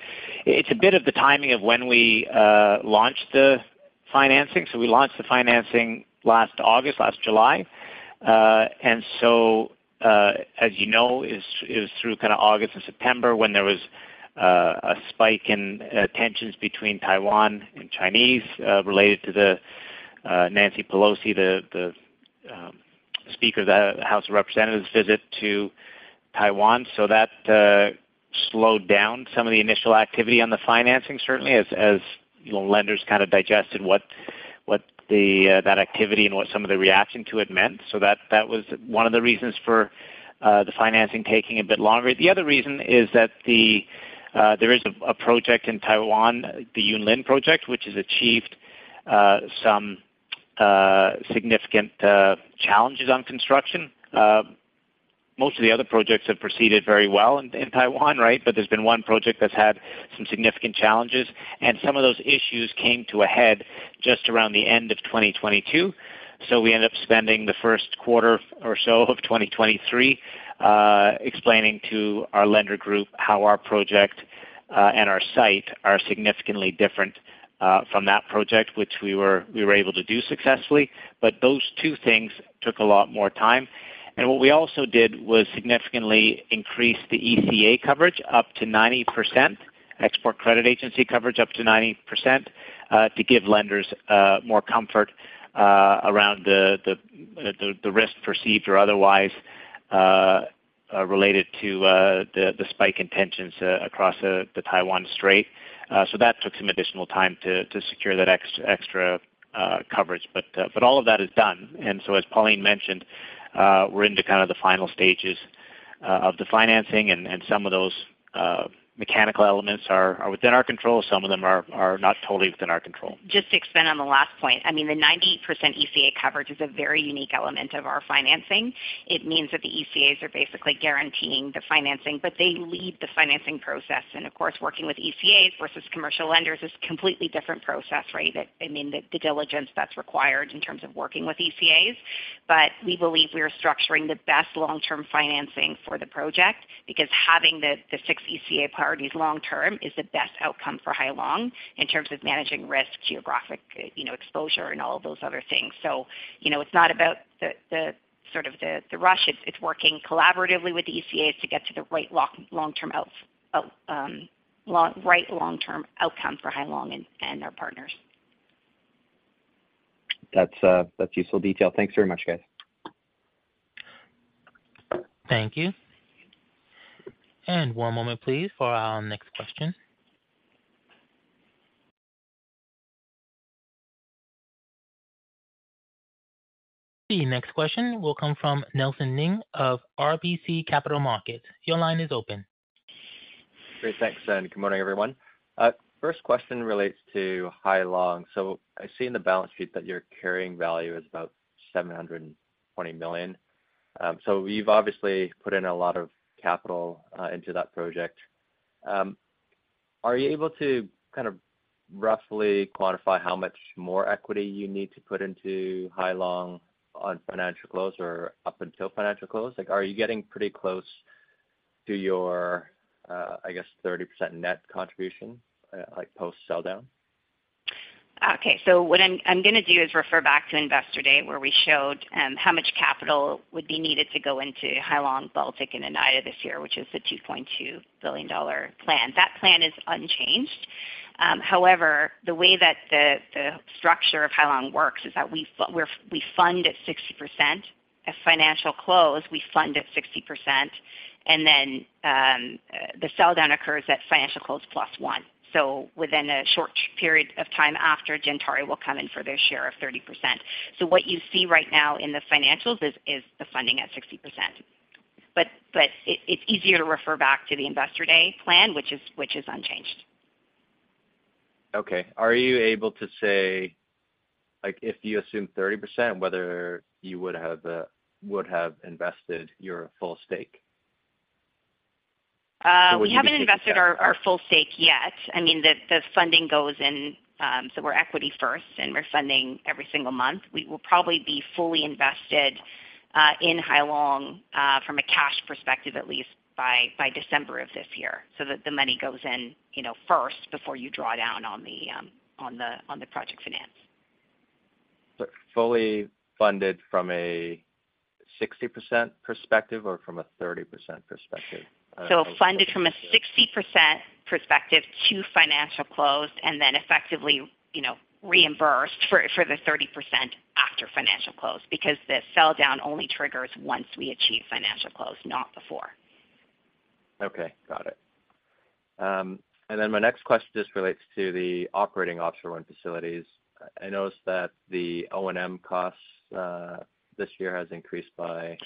it's a bit of the timing of when we launched the financing. We launched the financing last August, last July. As you know, it's, it was through kind of August and September when there was a spike in tensions between Taiwan and Chinese related to the Nancy Pelosi, the, the Speaker of the House of Representatives visit to Taiwan. That slowed down some of the initial activity on the financing, certainly as, as, you know, lenders kind of digested what, what the that activity and what some of the reaction to it meant. That, that was one of the reasons for the financing taking a bit longer. The other reason is that the, there is a, a project in Taiwan, the Yunlin project, which has achieved, some, significant, challenges on construction. Most of the other projects have proceeded very well in, in Taiwan, right? There's been one project that's had some significant challenges, and some of those issues came to a head just around the end of 2022. We ended up spending the first quarter or so of 2023, explaining to our lender group how our project, and our site are significantly different, from that project, which we were, we were able to do successfully. Those two things took a lot more time. What we also did was significantly increase the ECA coverage up to 90%, Export Credit Agency coverage up to 90%, to give lenders more comfort around the, the, the, the risk perceived or otherwise related to the, the spike in tensions across the Taiwan Strait. That took some additional time to secure that extra coverage. All of that is done. As Pauline mentioned, we're into kind of the final stages of the financing, and, and some of those mechanical elements are within our control. Some of them are not totally within our control. Just to expand on the last point, I mean, the 90% ECA coverage is a very unique element of our financing. It means that the ECAs are basically guaranteeing the financing, but they lead the financing process. Of course, working with ECAs versus commercial lenders is a completely different process, right? I mean, the due diligence that's required in terms of working with ECAs. We believe we are structuring the best long-term financing for the project, because having the six ECA parties long term is the best outcome for Hai Long in terms of managing risk, geographic, you know, exposure, and all of those other things. You know, it's not about the sort of the rush. It's, it's working collaboratively with the ECAs to get to the right long, long-term right long-term outcome for Hai Long and our partners. That's, that's useful detail. Thanks very much, guys. Thank you. One moment, please, for our next question. The next question will come from Nelson Ng of RBC Capital Markets. Your line is open. Great, thanks, good morning, everyone. First question relates to Hai Long. I see in the balance sheet that your carrying value is about 720 million. You've obviously put in a lot of capital into that project. Are you able to kind of roughly quantify how much more equity you need to put into Hai Long on financial close or up until financial close? Like, are you getting pretty close to your, I guess, 30% net contribution, like post-sell down? What I'm, I'm gonna do is refer back to Investor Day, where we showed how much capital would be needed to go into Hai Long, Baltic and Oneida this year, which is the 2.2 billion dollar plan. That plan is unchanged. However, the way that the, the structure of Hai Long works is that we fund at 60%. At financial close, we fund at 60%, and then, the sell down occurs at financial close plus one. Within a short period of time after, Gentari will come in for their share of 30%. What you see right now in the financials is, is the funding at 60%. It, it's easier to refer back to the Investor Day plan, which is, which is unchanged. Okay. Are you able to say, like, if you assume 30%, whether you would have, would have invested your full stake? We haven't invested our, our full stake yet. I mean, the, the funding goes in, so we're equity first, and we're funding every single month. We will probably be fully invested in Hai Long from a cash perspective, at least by, by December of this year. The, the money goes in, you know, first, before you draw down on the project finance. fully funded from a 60% perspective or from a 30% perspective? Funded from a 60% perspective to financial close, and then effectively, you know, reimbursed for, for the 30% after financial close, because the sell down only triggers once we achieve financial close, not before. Okay, got it. My next question just relates to the operating offshore wind facilities. I noticed that the O&M costs this year has increased by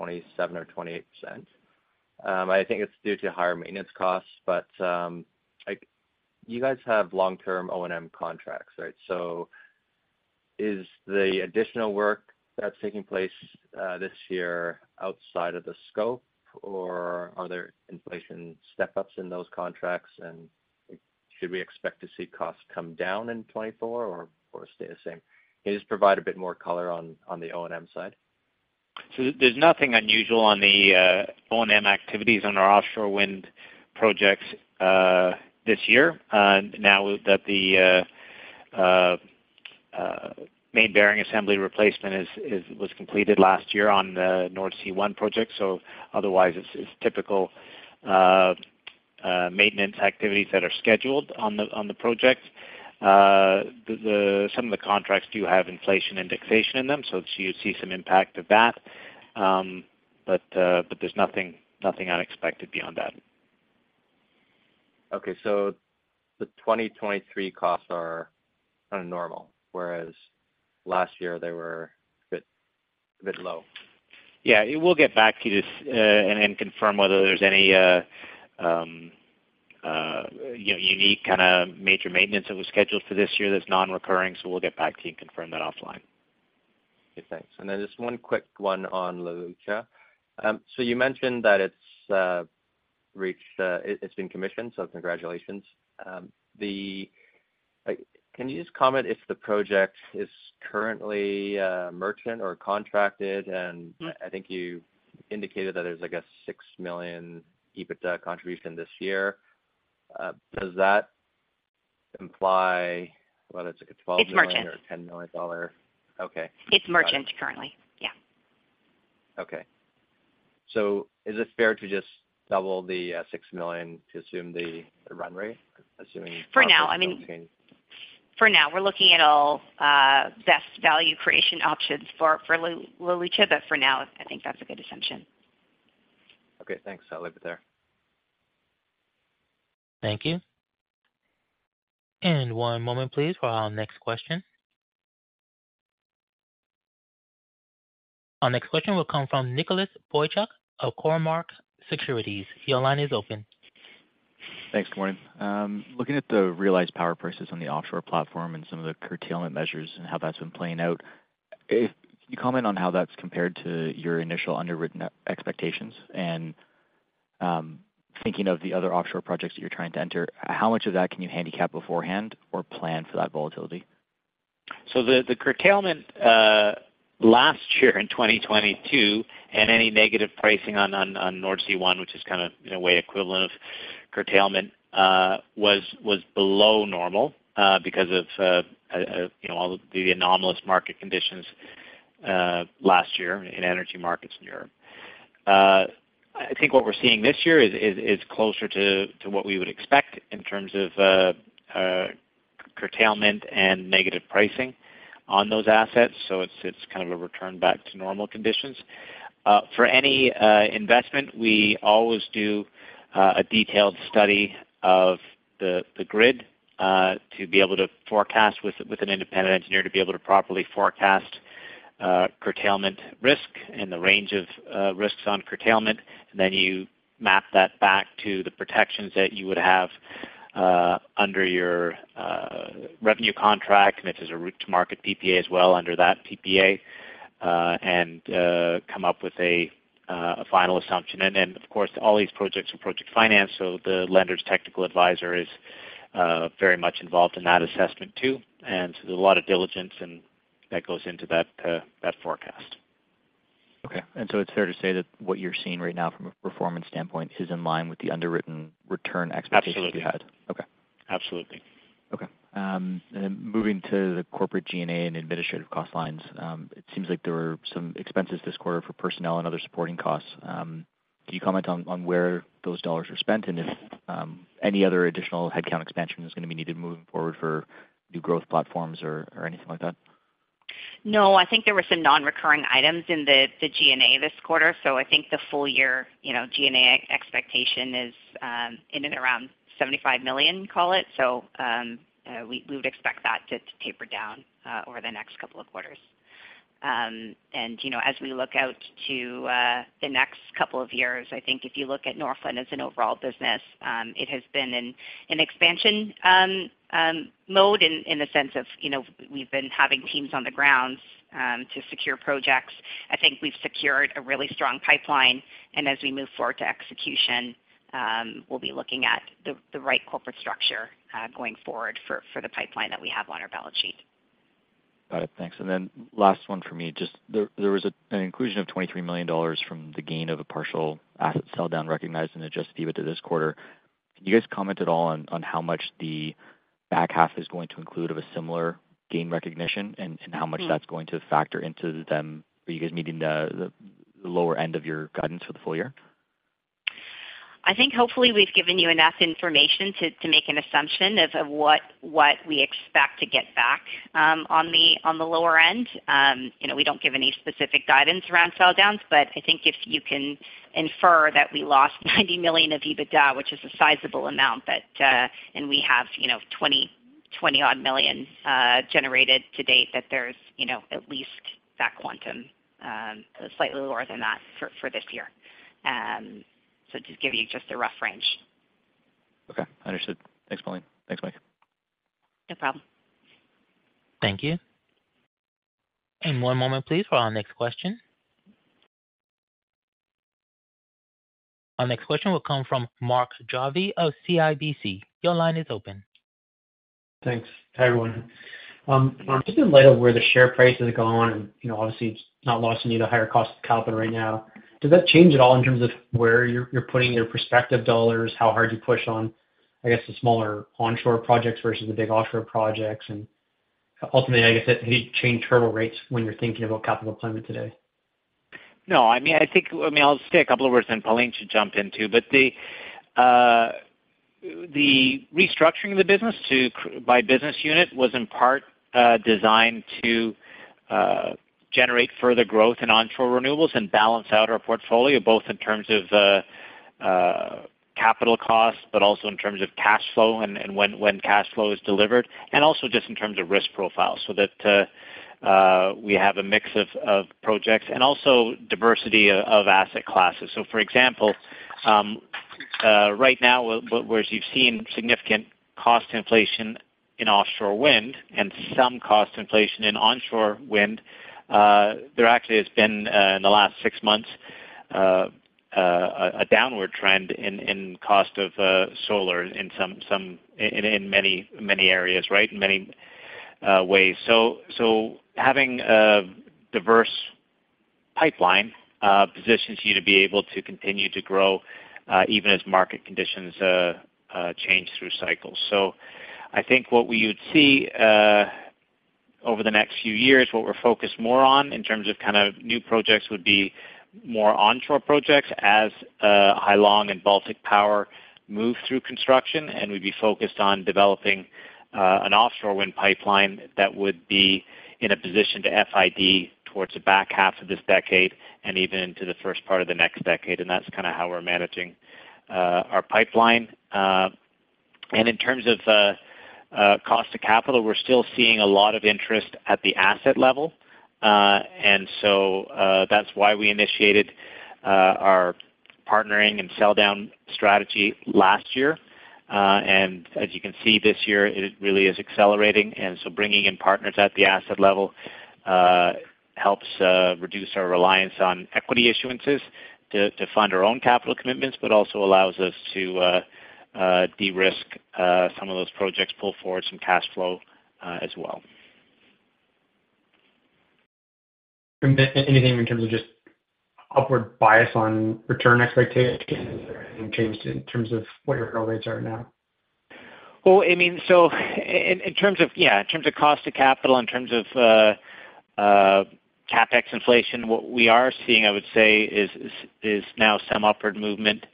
27% or 28%. You guys have long-term O&M contracts, right? Is the additional work that's taking place this year outside of the scope, or are there inflation step-ups in those contracts, and should we expect to see costs come down in 2024 or stay the same? Can you just provide a bit more color on the O&M side? There's nothing unusual on the O&M activities on our offshore wind projects this year. Now that the main bearing assembly replacement was completed last year on the Nordsee One project, otherwise it's typical maintenance activities that are scheduled on the project. Some of the contracts do have inflation indexation in them, so you see some impact of that. There's nothing, nothing unexpected beyond that. Okay, the 2023 costs are kind of normal, whereas last year they were a bit, a bit low. Yeah. We'll get back to you, and, and confirm whether there's any, you know, unique kind of major maintenance that was scheduled for this year that's non-recurring. We'll get back to you and confirm that offline. Okay, thanks. Then just one quick one on La Lucha. You mentioned that it's reached, it's been commissioned, so congratulations. Can you just comment if the project is currently merchant or contracted? I think you.... indicated that there's, I guess, 6 million EBITDA contribution this year. does that imply whether it's like a 12- It's merchant. 10 million dollar? Okay. It's merchant currently. Yeah. Okay. Is it fair to just double the 6 million to assume the run rate, assuming- For now, I mean. Okay. For now, we're looking at all, best value creation options for La Lucha. For now, I think that's a good assumption. Okay, thanks. I'll leave it there. Thank you. One moment, please, for our next question. Our next question will come from Nicholas Boychuk of Cormark Securities. Your line is open. Thanks. Good morning. Looking at the realized power prices on the offshore platform and some of the curtailment measures and how that's been playing out, if you comment on how that's compared to your initial underwritten expectations. Thinking of the other offshore projects that you're trying to enter, how much of that can you handicap beforehand or plan for that volatility? The, the curtailment, last year in 2022, and any negative pricing on, on, on Nordsee One, which is kind of, in a way, equivalent of curtailment, was, was below normal, because of, you know, all the anomalous market conditions, last year in energy markets in Europe. I think what we're seeing this year is, is, is closer to, to what we would expect in terms of, curtailment and negative pricing on those assets, so it's, it's kind of a return back to normal conditions. For any, investment, we always do, a detailed study of the, the grid, to be able to forecast with, with an independent engineer, to be able to properly forecast, curtailment risk and the range of, risks on curtailment. You map that back to the protections that you would have under your revenue contract, and this is a route-to-market PPA as well, under that PPA, and come up with a final assumption. Then, of course, all these projects are project finance, so the lender's technical advisor is very much involved in that assessment too. So there's a lot of diligence and That goes into that forecast. Okay. It's fair to say that what you're seeing right now from a performance standpoint is in line with the underwritten return expectations you had? Absolutely. Okay. Absolutely. Okay. Then moving to the corporate G&A and administrative cost lines, it seems like there were some expenses this quarter for personnel and other supporting costs. Can you comment on, on where those dollars are spent, and if, any other additional headcount expansion is going to be needed moving forward for new growth platforms or, or anything like that? No, I think there were some non-recurring items in the G&A this quarter. I think the full year, you know, G&A expectation is, in and around 75 million, call it. We would expect that to taper down over the next couple of quarters. You know, as we look out to the next couple of years, I think if you look at Northland as an overall business, it has been in expansion mode, in the sense of, you know, we've been having teams on the ground to secure projects. I think we've secured a really strong pipeline, and as we move forward to execution, we'll be looking at the right corporate structure going forward for the pipeline that we have on our balance sheet. Got it. Thanks. Then last one for me. Just there, there was an inclusion of 23 million dollars from the gain of a partial asset sell down recognized and adjusted EBITDA this quarter. Can you guys comment at all on how much the back half is going to include of a similar gain recognition and how much-? Mm-hmm. that's going to factor into them, are you guys meeting the, the, the lower end of your guidance for the full year? I think hopefully we've given you enough information to make an assumption of what we expect to get back on the lower end. You know, we don't give any specific guidance around sell downs, but I think if you can infer that we lost 90 million of EBITDA, which is a sizable amount, that. We have, you know, 20-odd million generated to date, that there's, you know, at least that quantum, slightly lower than that for this year. To give you just a rough range. Okay, understood. Thanks, Pauline. Thanks, Mike. No problem. Thank you. One moment, please, for our next question. Our next question will come from Mark Jarvi of CIBC. Your line is open. Thanks. Hi, everyone. just in light of where the share price has gone and, you know, obviously it's not lost to me the higher cost of capital right now, does that change at all in terms of where you're, you're putting your prospective dollars, how hard you push on, I guess, the smaller onshore projects versus the big offshore projects? Ultimately, I guess, if you change hurdle rates when you're thinking about capital deployment today. No, I mean, I think, I mean, I'll say a couple of words, then Pauline should jump in, too. The restructuring of the business to by business unit was in part designed to generate further growth in onshore renewables and balance out our portfolio, both in terms of capital costs, but also in terms of cash flow and, and when, when cash flow is delivered, and also just in terms of risk profile, so that we have a mix of projects and also diversity of asset classes. For example, right now, whereas you've seen significant cost inflation in offshore wind and some cost inflation in onshore wind, there actually has been in the last six months a downward trend in cost of solar in some, some... In many, many areas, right? Many way. Having a diverse pipeline positions you to be able to continue to grow, even as market conditions change through cycles. I think what we would see over the next few years, what we're focused more on in terms of kind of new projects, would be more onshore projects as Hai Long and Baltic Power move through construction, and we'd be focused on developing an offshore wind pipeline that would be in a position to FID towards the back half of this decade and even into the first part of the next decade. That's kind of how we're managing our pipeline. In terms of cost to capital, we're still seeing a lot of interest at the asset level. So, that's why we initiated, our partnering and sell down strategy last year. As you can see this year, it really is accelerating. So bringing in partners at the asset level, helps, reduce our reliance on equity issuances to, to fund our own capital commitments, but also allows us to, de-risk, some of those projects, pull forward some cash flow, as well. Anything in terms of just upward bias on return expectations or anything changed in terms of what your rates are now? I mean, in terms of, yeah, in terms of cost to capital, in terms of CapEx inflation, what we are seeing, I would say, is, is, is now some upward movement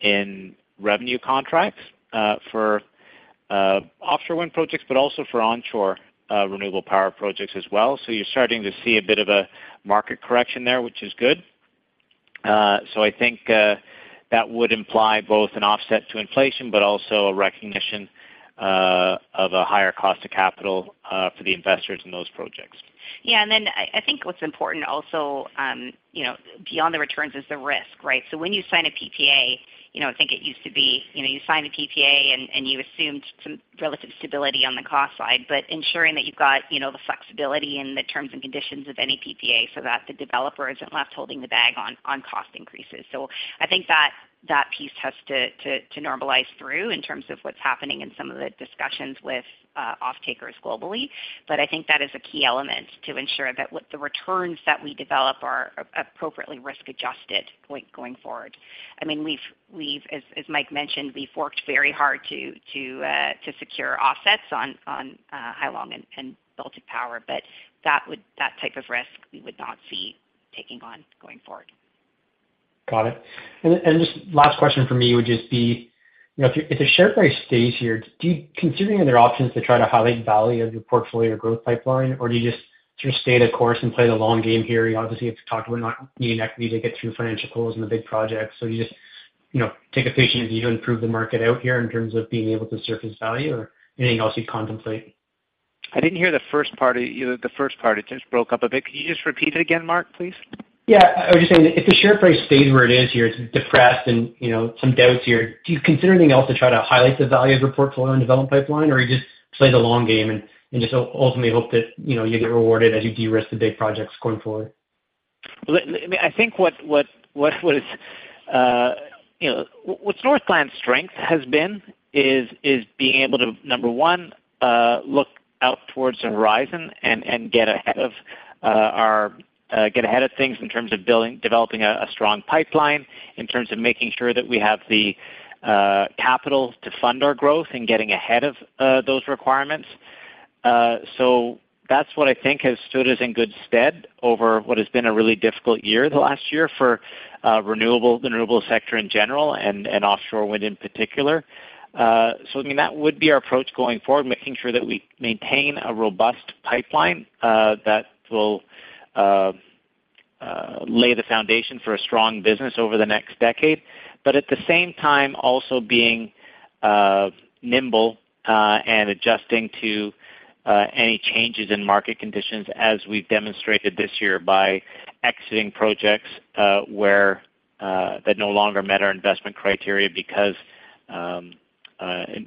in revenue contracts for offshore wind projects, but also for onshore renewable power projects as well. You're starting to see a bit of a market correction there, which is good. I think that would imply both an offset to inflation, but also a recognition of a higher cost to capital for the investors in those projects. Yeah, then I, I think what's important also, you know, beyond the returns is the risk, right? When you sign a PPA, you know, I think it used to be, you know, you sign a PPA, and, and you assumed some relative stability on the cost side, but ensuring that you've got, you know, the flexibility in the terms and conditions of any PPA so that the developer isn't left holding the bag on, on cost increases. I think that, that piece has to, to, to normalize through in terms of what's happening in some of the discussions with off-takers globally. I think that is a key element to ensure that what the returns that we develop are appropriately risk-adjusted going, going forward. I mean, we've, we've, as, as Mike mentioned, we've worked very hard to, to secure offsets on, on Hai Long and, and Baltic Power, but that type of risk we would not see taking on going forward. Got it. Just last question for me would just be, you know, if the share price stays here, do you considering other options to try to highlight value of your portfolio growth pipeline? Do you just sort of stay the course and play the long game here? You obviously have to talk to not needing equity to get through financial goals in the big projects. You just, you know, take a patient as you improve the market out here in terms of being able to surface value or anything else you contemplate? I didn't hear the first part of you, the first part. It just broke up a bit. Can you just repeat it again, Mark, please? Yeah. I was just saying, if the share price stays where it is here, it's depressed and, you know, some doubts here, do you consider anything else to try to highlight the value of the portfolio and development pipeline, or you just play the long game and, and just ultimately hope that, you know, you get rewarded as you de-risk the big projects going forward? Well, I mean, I think what, what, what, what is, you know, what Northland's strength has been is, is being able to, number one, look out towards the horizon and, and get ahead of, our, get ahead of things in terms of building-- developing a, a strong pipeline, in terms of making sure that we have the, capital to fund our growth and getting ahead of, those requirements. That's what I think has stood us in good stead over what has been a really difficult year, the last year, for, renewable-- the renewable sector in general and, and offshore wind in particular. I mean, that would be our approach going forward, making sure that we maintain a robust pipeline, that will, lay the foundation for a strong business over the next decade. At the same time, also being nimble and adjusting to any changes in market conditions, as we've demonstrated this year by exiting projects where that no longer met our investment criteria because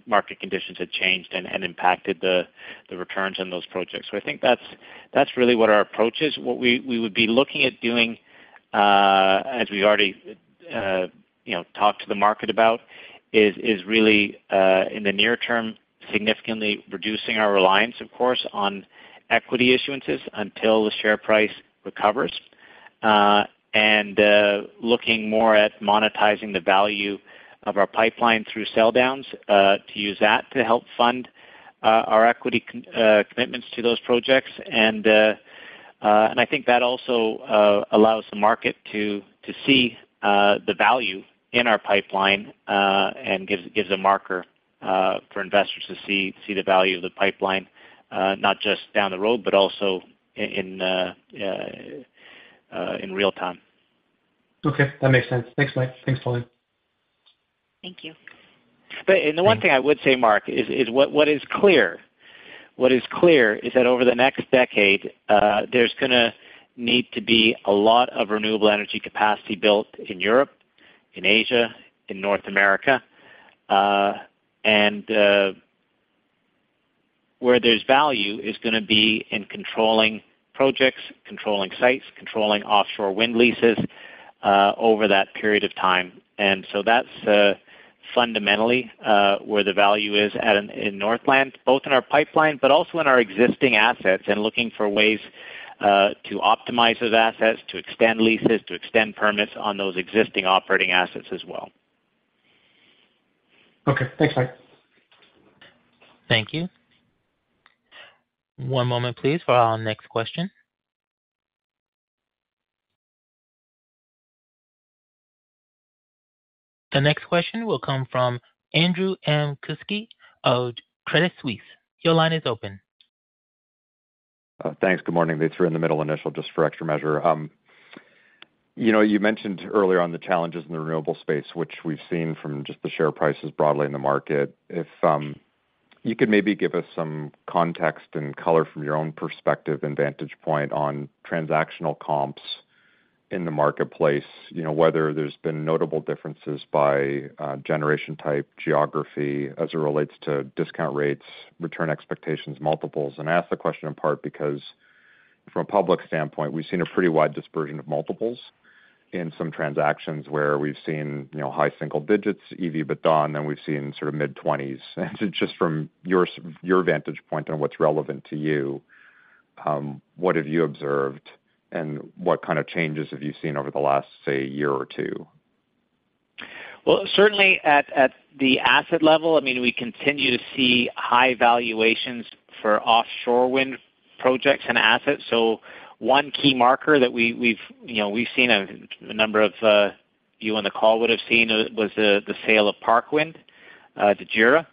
market conditions had changed and impacted the returns on those projects. I think that's, that's really what our approach is. What we would be looking at doing, as we already, you know, talked to the market about, is really in the near term, significantly reducing our reliance, of course, on equity issuances until the share price recovers, and looking more at monetizing the value of our pipeline through sell downs to use that to help fund our equity commitments to those projects. I think that also allows the market to, to see the value in our pipeline and gives, gives a marker for investors to see, see the value of the pipeline, not just down the road, but also in real time. Okay, that makes sense. Thanks, Mike. Thanks, Pauline. Thank you. The one thing I would say, Mark, is what is clear, what is clear is that over the next decade, there's gonna need to be a lot of renewable energy capacity built in Europe, in Asia, in North America. Where there's value is gonna be in controlling projects, controlling sites, controlling offshore wind leases over that period of time. So that's fundamentally where the value is at in Northland, both in our pipeline, but also in our existing assets, and looking for ways to optimize those assets, to extend leases, to extend permits on those existing operating assets as well. Okay. Thanks, Mike. Thank you. One moment, please, for our next question. The next question will come from Andrew Kuske of Credit Suisse. Your line is open. Thanks. Good morning. They threw in the middle initial just for extra measure. You know, you mentioned earlier on the challenges in the renewable space, which we've seen from just the share prices broadly in the market. If you could maybe give us some context and color from your own perspective and vantage point on transactional comps in the marketplace, you know, whether there's been notable differences by generation type, geography as it relates to discount rates, return expectations, multiples. I ask the question in part because from a public standpoint, we've seen a pretty wide dispersion of multiples in some transactions where we've seen, you know, high single digits, EV, but then we've seen sort of mid-20s. Just from your your vantage point on what's relevant to you, what have you observed, and what kind of changes have you seen over the last, say, year or two? Well, certainly at, at the asset level, I mean, we continue to see high valuations for offshore wind projects and assets. One key marker that we, we've, you know, we've seen a number of, you on the call would have seen was the sale of Parkwind to JERA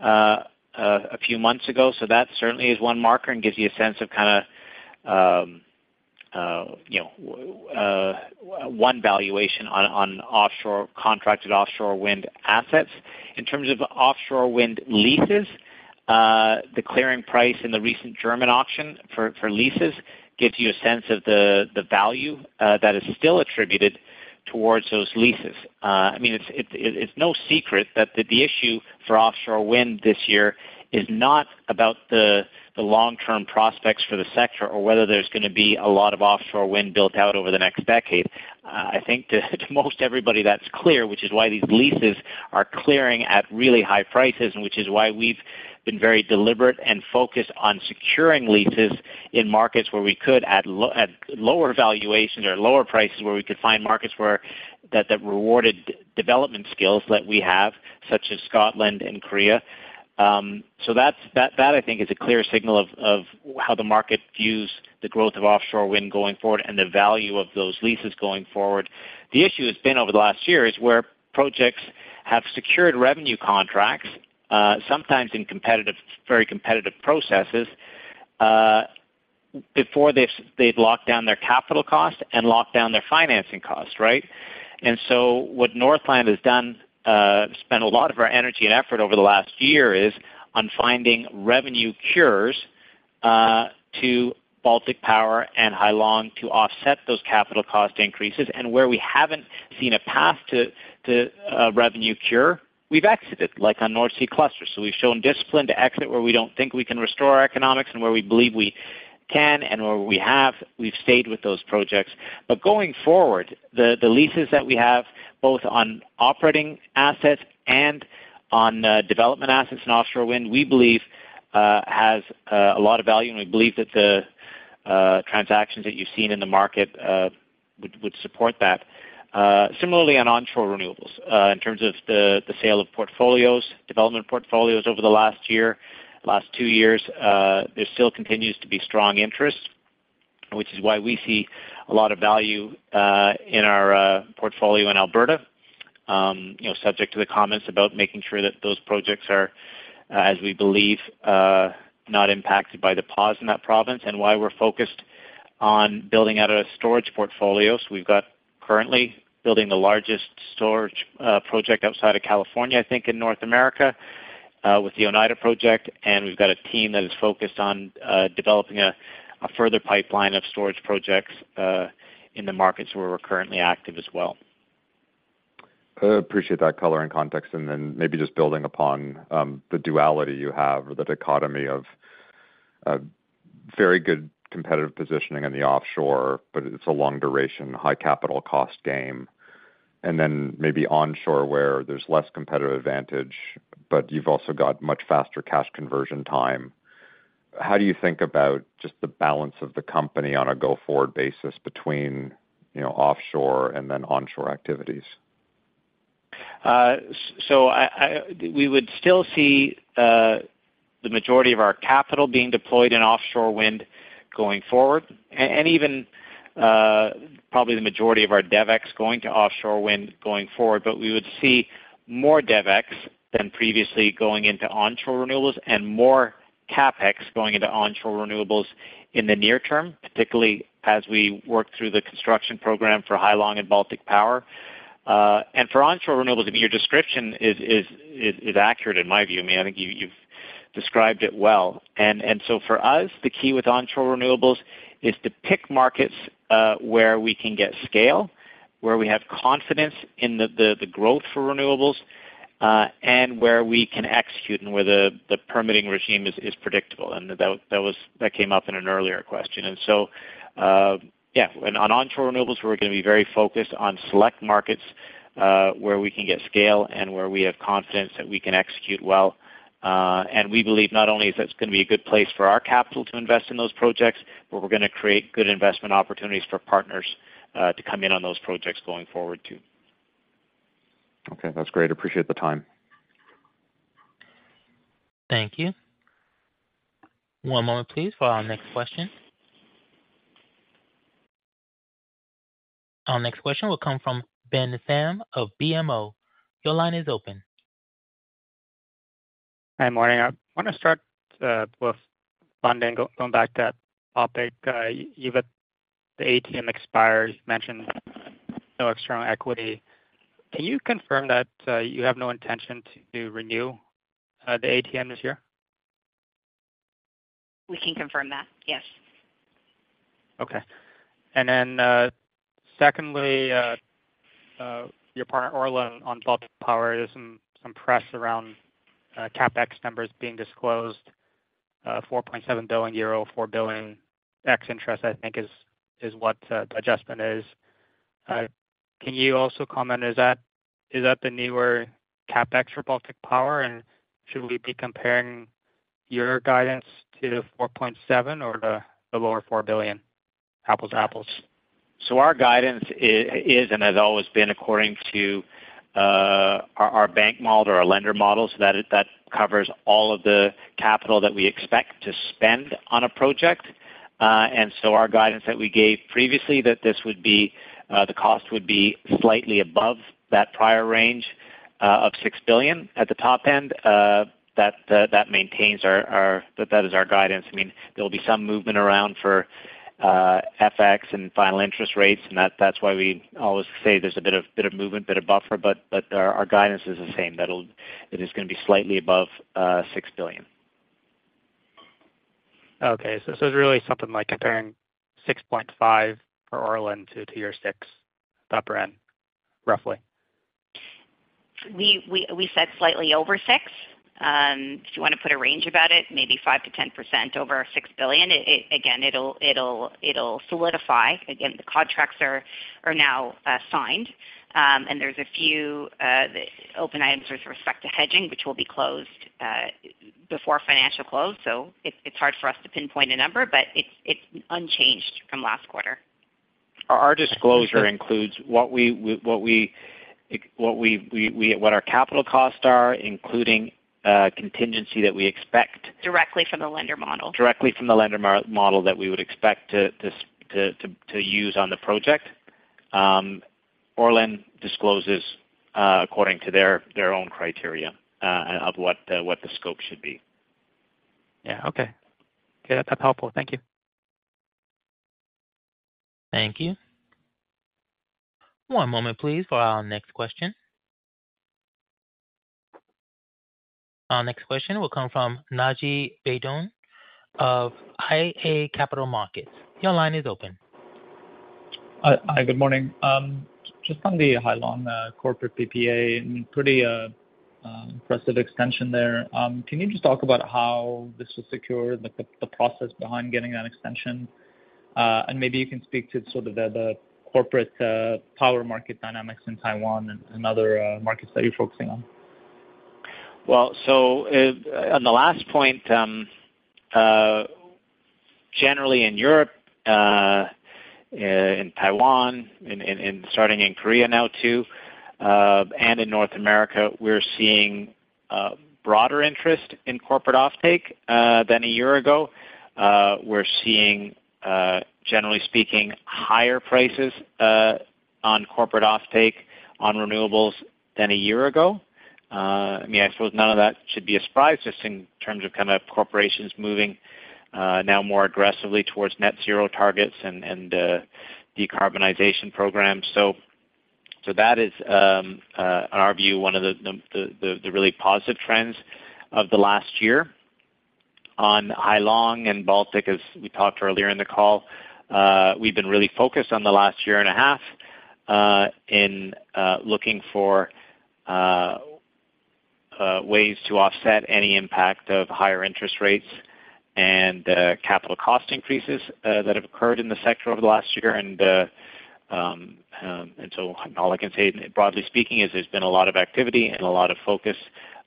a few months ago. That certainly is one marker and gives you a sense of kinda, you know, one valuation on, on offshore... contracted offshore wind assets. In terms of offshore wind leases, the clearing price in the recent German auction for, for leases gives you a sense of the value, that is still attributed towards those leases. I mean, it's no secret that the issue for offshore wind this year is not about the long-term prospects for the sector or whether there's gonna be a lot of offshore wind built out over the next decade. I think to most everybody, that's clear, which is why these leases are clearing at really high prices, and which is why we've been very deliberate and focused on securing leases in markets where we could at lower valuations or lower prices, where we could find markets where, that, that rewarded development skills that we have, such as Scotland and Korea. So that's, that, that, I think, is a clear signal of how the market views the growth of offshore wind going forward and the value of those leases going forward. The issue has been over the last year, is where projects have secured revenue contracts, sometimes in competitive, very competitive processes, before they've, they've locked down their capital costs and locked down their financing costs, right? What Northland has done, spent a lot of our energy and effort over the last year, is on finding revenue cures, to Baltic Power and Hai Long to offset those capital cost increases. Where we haven't seen a path to, to, a revenue cure, we've exited, like on Nordsee Cluster. We've shown discipline to exit where we don't think we can restore our economics, and where we believe we can and where we have, we've stayed with those projects. Going forward, the, the leases that we have, both on operating assets and on development assets in offshore wind, we believe has a lot of value, and we believe that the transactions that you've seen in the market would, would support that. Similarly, on onshore renewables, in terms of the, the sale of portfolios, development portfolios over the last year, last two years, there still continues to be strong interest, which is why we see a lot of value in our portfolio in Alberta. You know, subject to the comments about making sure that those projects are, as we believe, not impacted by the pause in that province, and why we're focused on building out a storage portfolio. We've got currently building the largest storage project outside of California, I think, in North America, with the Oneida Project. We've got a team that is focused on developing a further pipeline of storage projects in the markets where we're currently active as well. I appreciate that color and context. Then maybe just building upon the duality you have or the dichotomy of a very good competitive positioning in the offshore, but it's a long-duration, high capital cost game. Then maybe onshore, where there's less competitive advantage, but you've also got much faster cash conversion time. How do you think about just the balance of the company on a go-forward basis between, you know, offshore and then onshore activities? We would still see the majority of our capital being deployed in offshore wind going forward, and even probably the majority of our DevEx going to offshore wind going forward. We would see more DevEx than previously going into onshore renewables and more CapEx going into onshore renewables in the near term, particularly as we work through the construction program for Hai Long and Baltic Power. For onshore renewables, I mean, your description is accurate in my view. I mean, I think you've described it well. For us, the key with onshore renewables is to pick markets where we can get scale, where we have confidence in the growth for renewables, and where we can execute and where the permitting regime is predictable. That, that came up in an earlier question. On onshore renewables, we're gonna be very focused on select markets, where we can get scale and where we have confidence that we can execute well. We believe not only is that it's gonna be a good place for our capital to invest in those projects, but we're gonna create good investment opportunities for partners, to come in on those projects going forward, too. Okay, that's great. Appreciate the time. Thank you. One moment please, for our next question. Our next question will come from Ben Pham of BMO. Your line is open. Hi, morning. I want to start with funding, going back to that topic. You, the ATM expires, you mentioned no external equity. Can you confirm that you have no intention to renew the ATM this year? We can confirm that, yes. Okay. Secondly, your partner, Orlen, on Baltic Power, there's some press around CapEx numbers being disclosed, 4.7 billion euro, 4 billion ex-interest, I think, is what the adjustment is. Can you also comment, is that the newer CapEx for Baltic Power? Should we be comparing your guidance to the 4.7 billion or the lower 4 billion, apples to apples? Our guidance is, is, and has always been according to our, our bank model or our lender model, so that covers all of the capital that we expect to spend on a project. Our guidance that we gave previously, that this would be, the cost would be slightly above that prior range of 6 billion at the top end. That, that maintains our, our... That, that is our guidance. I mean, there will be some movement around for FX and final interest rates, and that's why we always say there's a bit of, bit of movement, bit of buffer, but, but our, our guidance is the same. It is gonna be slightly above 6 billion. Okay. It's really something like comparing 6.5 for Orlen to your six, top end, roughly? We, we, we said slightly over 6. If you want to put a range about it, maybe 5%-10% over our 6 billion. Again, it'll, it'll, it'll solidify. Again, the contracts are, are now signed, and there's a few open items with respect to hedging, which will be closed before financial close. It's, it's hard for us to pinpoint a number, but it's, it's unchanged from last quarter. Our disclosure includes what our capital costs are, including, contingency that we expect- Directly from the lender model. -directly from the lender model that we would expect to use on the project. Orlen discloses, according to their own criteria, of what the scope should be. Yeah. Okay. Yeah, that's helpful. Thank you. Thank you. One moment, please, for our next question. Our next question will come from Naji Baydoun of iA Capital Markets. Your line is open. Hi, good morning. Just on the Hai Long corporate PPA, pretty impressive extension there. Can you just talk about how this was secured, the process behind getting that extension? Maybe you can speak to sort of the corporate power market dynamics in Taiwan and other markets that you're focusing on. On the last point, generally in Europe, in Taiwan, in starting in Korea now, too, and in North America, we're seeing broader interest in corporate offtake than a year ago. We're seeing, generally speaking, higher prices on corporate offtake on renewables than a year ago. I mean, I suppose none of that should be a surprise, just in terms of kind of corporations moving now more aggressively towards net zero targets and decarbonization programs. That is, in our view, one of the really positive trends of the last year. On Hai Long and Baltic, as we talked earlier in the call, we've been really focused on the last year and a half, in looking for ways to offset any impact of higher interest rates and capital cost increases that have occurred in the sector over the last year. All I can say, broadly speaking, is there's been a lot of activity and a lot of focus,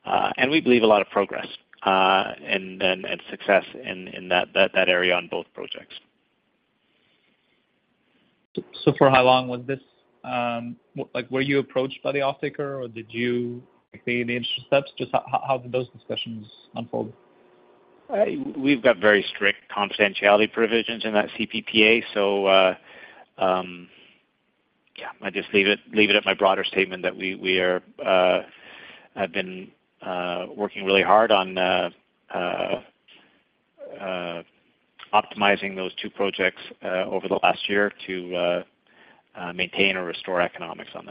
and we believe a lot of progress, and then, and success in, in that, that area on both projects. for Hai Long, was this, Like, were you approached by the offtaker, or did you take the initial steps? Just how, how did those discussions unfold? ict confidentiality provisions in that CPPA, so, yeah, I just leave it, leave it at my broader statement that we, we are, have been, working really hard on, optimizing those two projects, over the last year to, maintain or restore economics on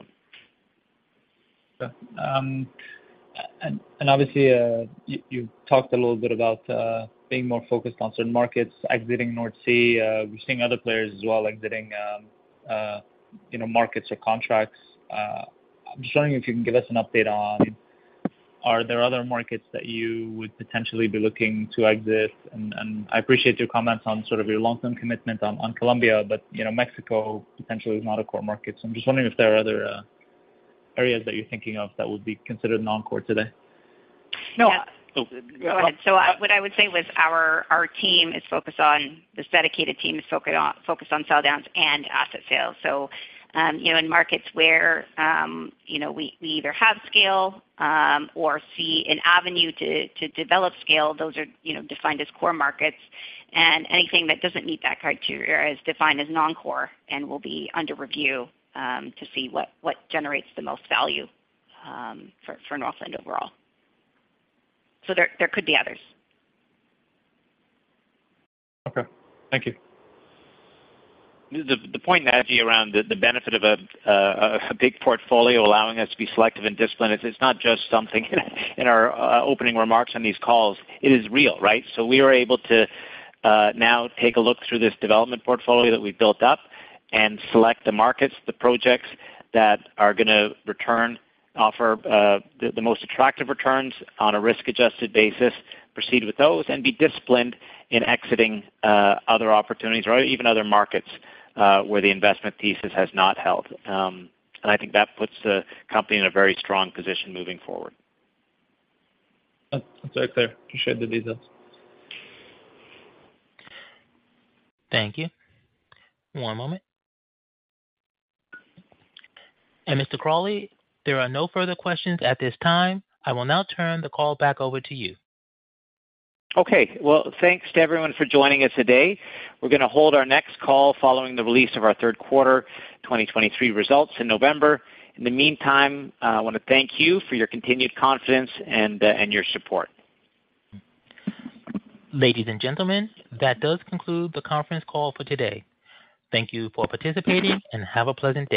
them And obviously, you, you talked a little bit about being more focused on certain markets, exiting Nordsee. We're seeing other players as well exiting, you know, markets or contracts. I'm just wondering if you can give us an update on, are there other markets that you would potentially be looking to exit? And I appreciate your comments on sort of your long-term commitment on, on Colombia, but, you know, Mexico potentially is not a core market. I'm just wondering if there are other areas that you're thinking of that would be considered non-core today? No. Go ahead. What I would say was our team is focused on this dedicated team is focused on sell downs and asset sales. You know, in markets where, you know, we either have scale or see an avenue to develop scale, those are, you know, defined as core markets. Anything that doesn't meet that criteria is defined as non-core and will be under review to see what generates the most value for Northland overall. There could be others. Okay, thank you. The point, Matthew, around the benefit of a big portfolio allowing us to be selective and disciplined, it's not just something in our opening remarks on these calls. It is real, right? We are able to now take a look through this development portfolio that we've built up and select the markets, the projects that are gonna return, offer the most attractive returns on a risk-adjusted basis, proceed with those, and be disciplined in exiting other opportunities or even other markets where the investment thesis has not held. I think that puts the company in a very strong position moving forward. That's very clear. Appreciate the details. Thank you. One moment. Mr. Crawley, there are no further questions at this time. I will now turn the call back over to you. Okay. Well, thanks to everyone for joining us today. We're going to hold our next call following the release of our third quarter 2023 results in November. In the meantime, I want to thank you for your continued confidence and, and your support. Ladies and gentlemen, that does conclude the conference call for today. Thank you for participating. Have a pleasant day.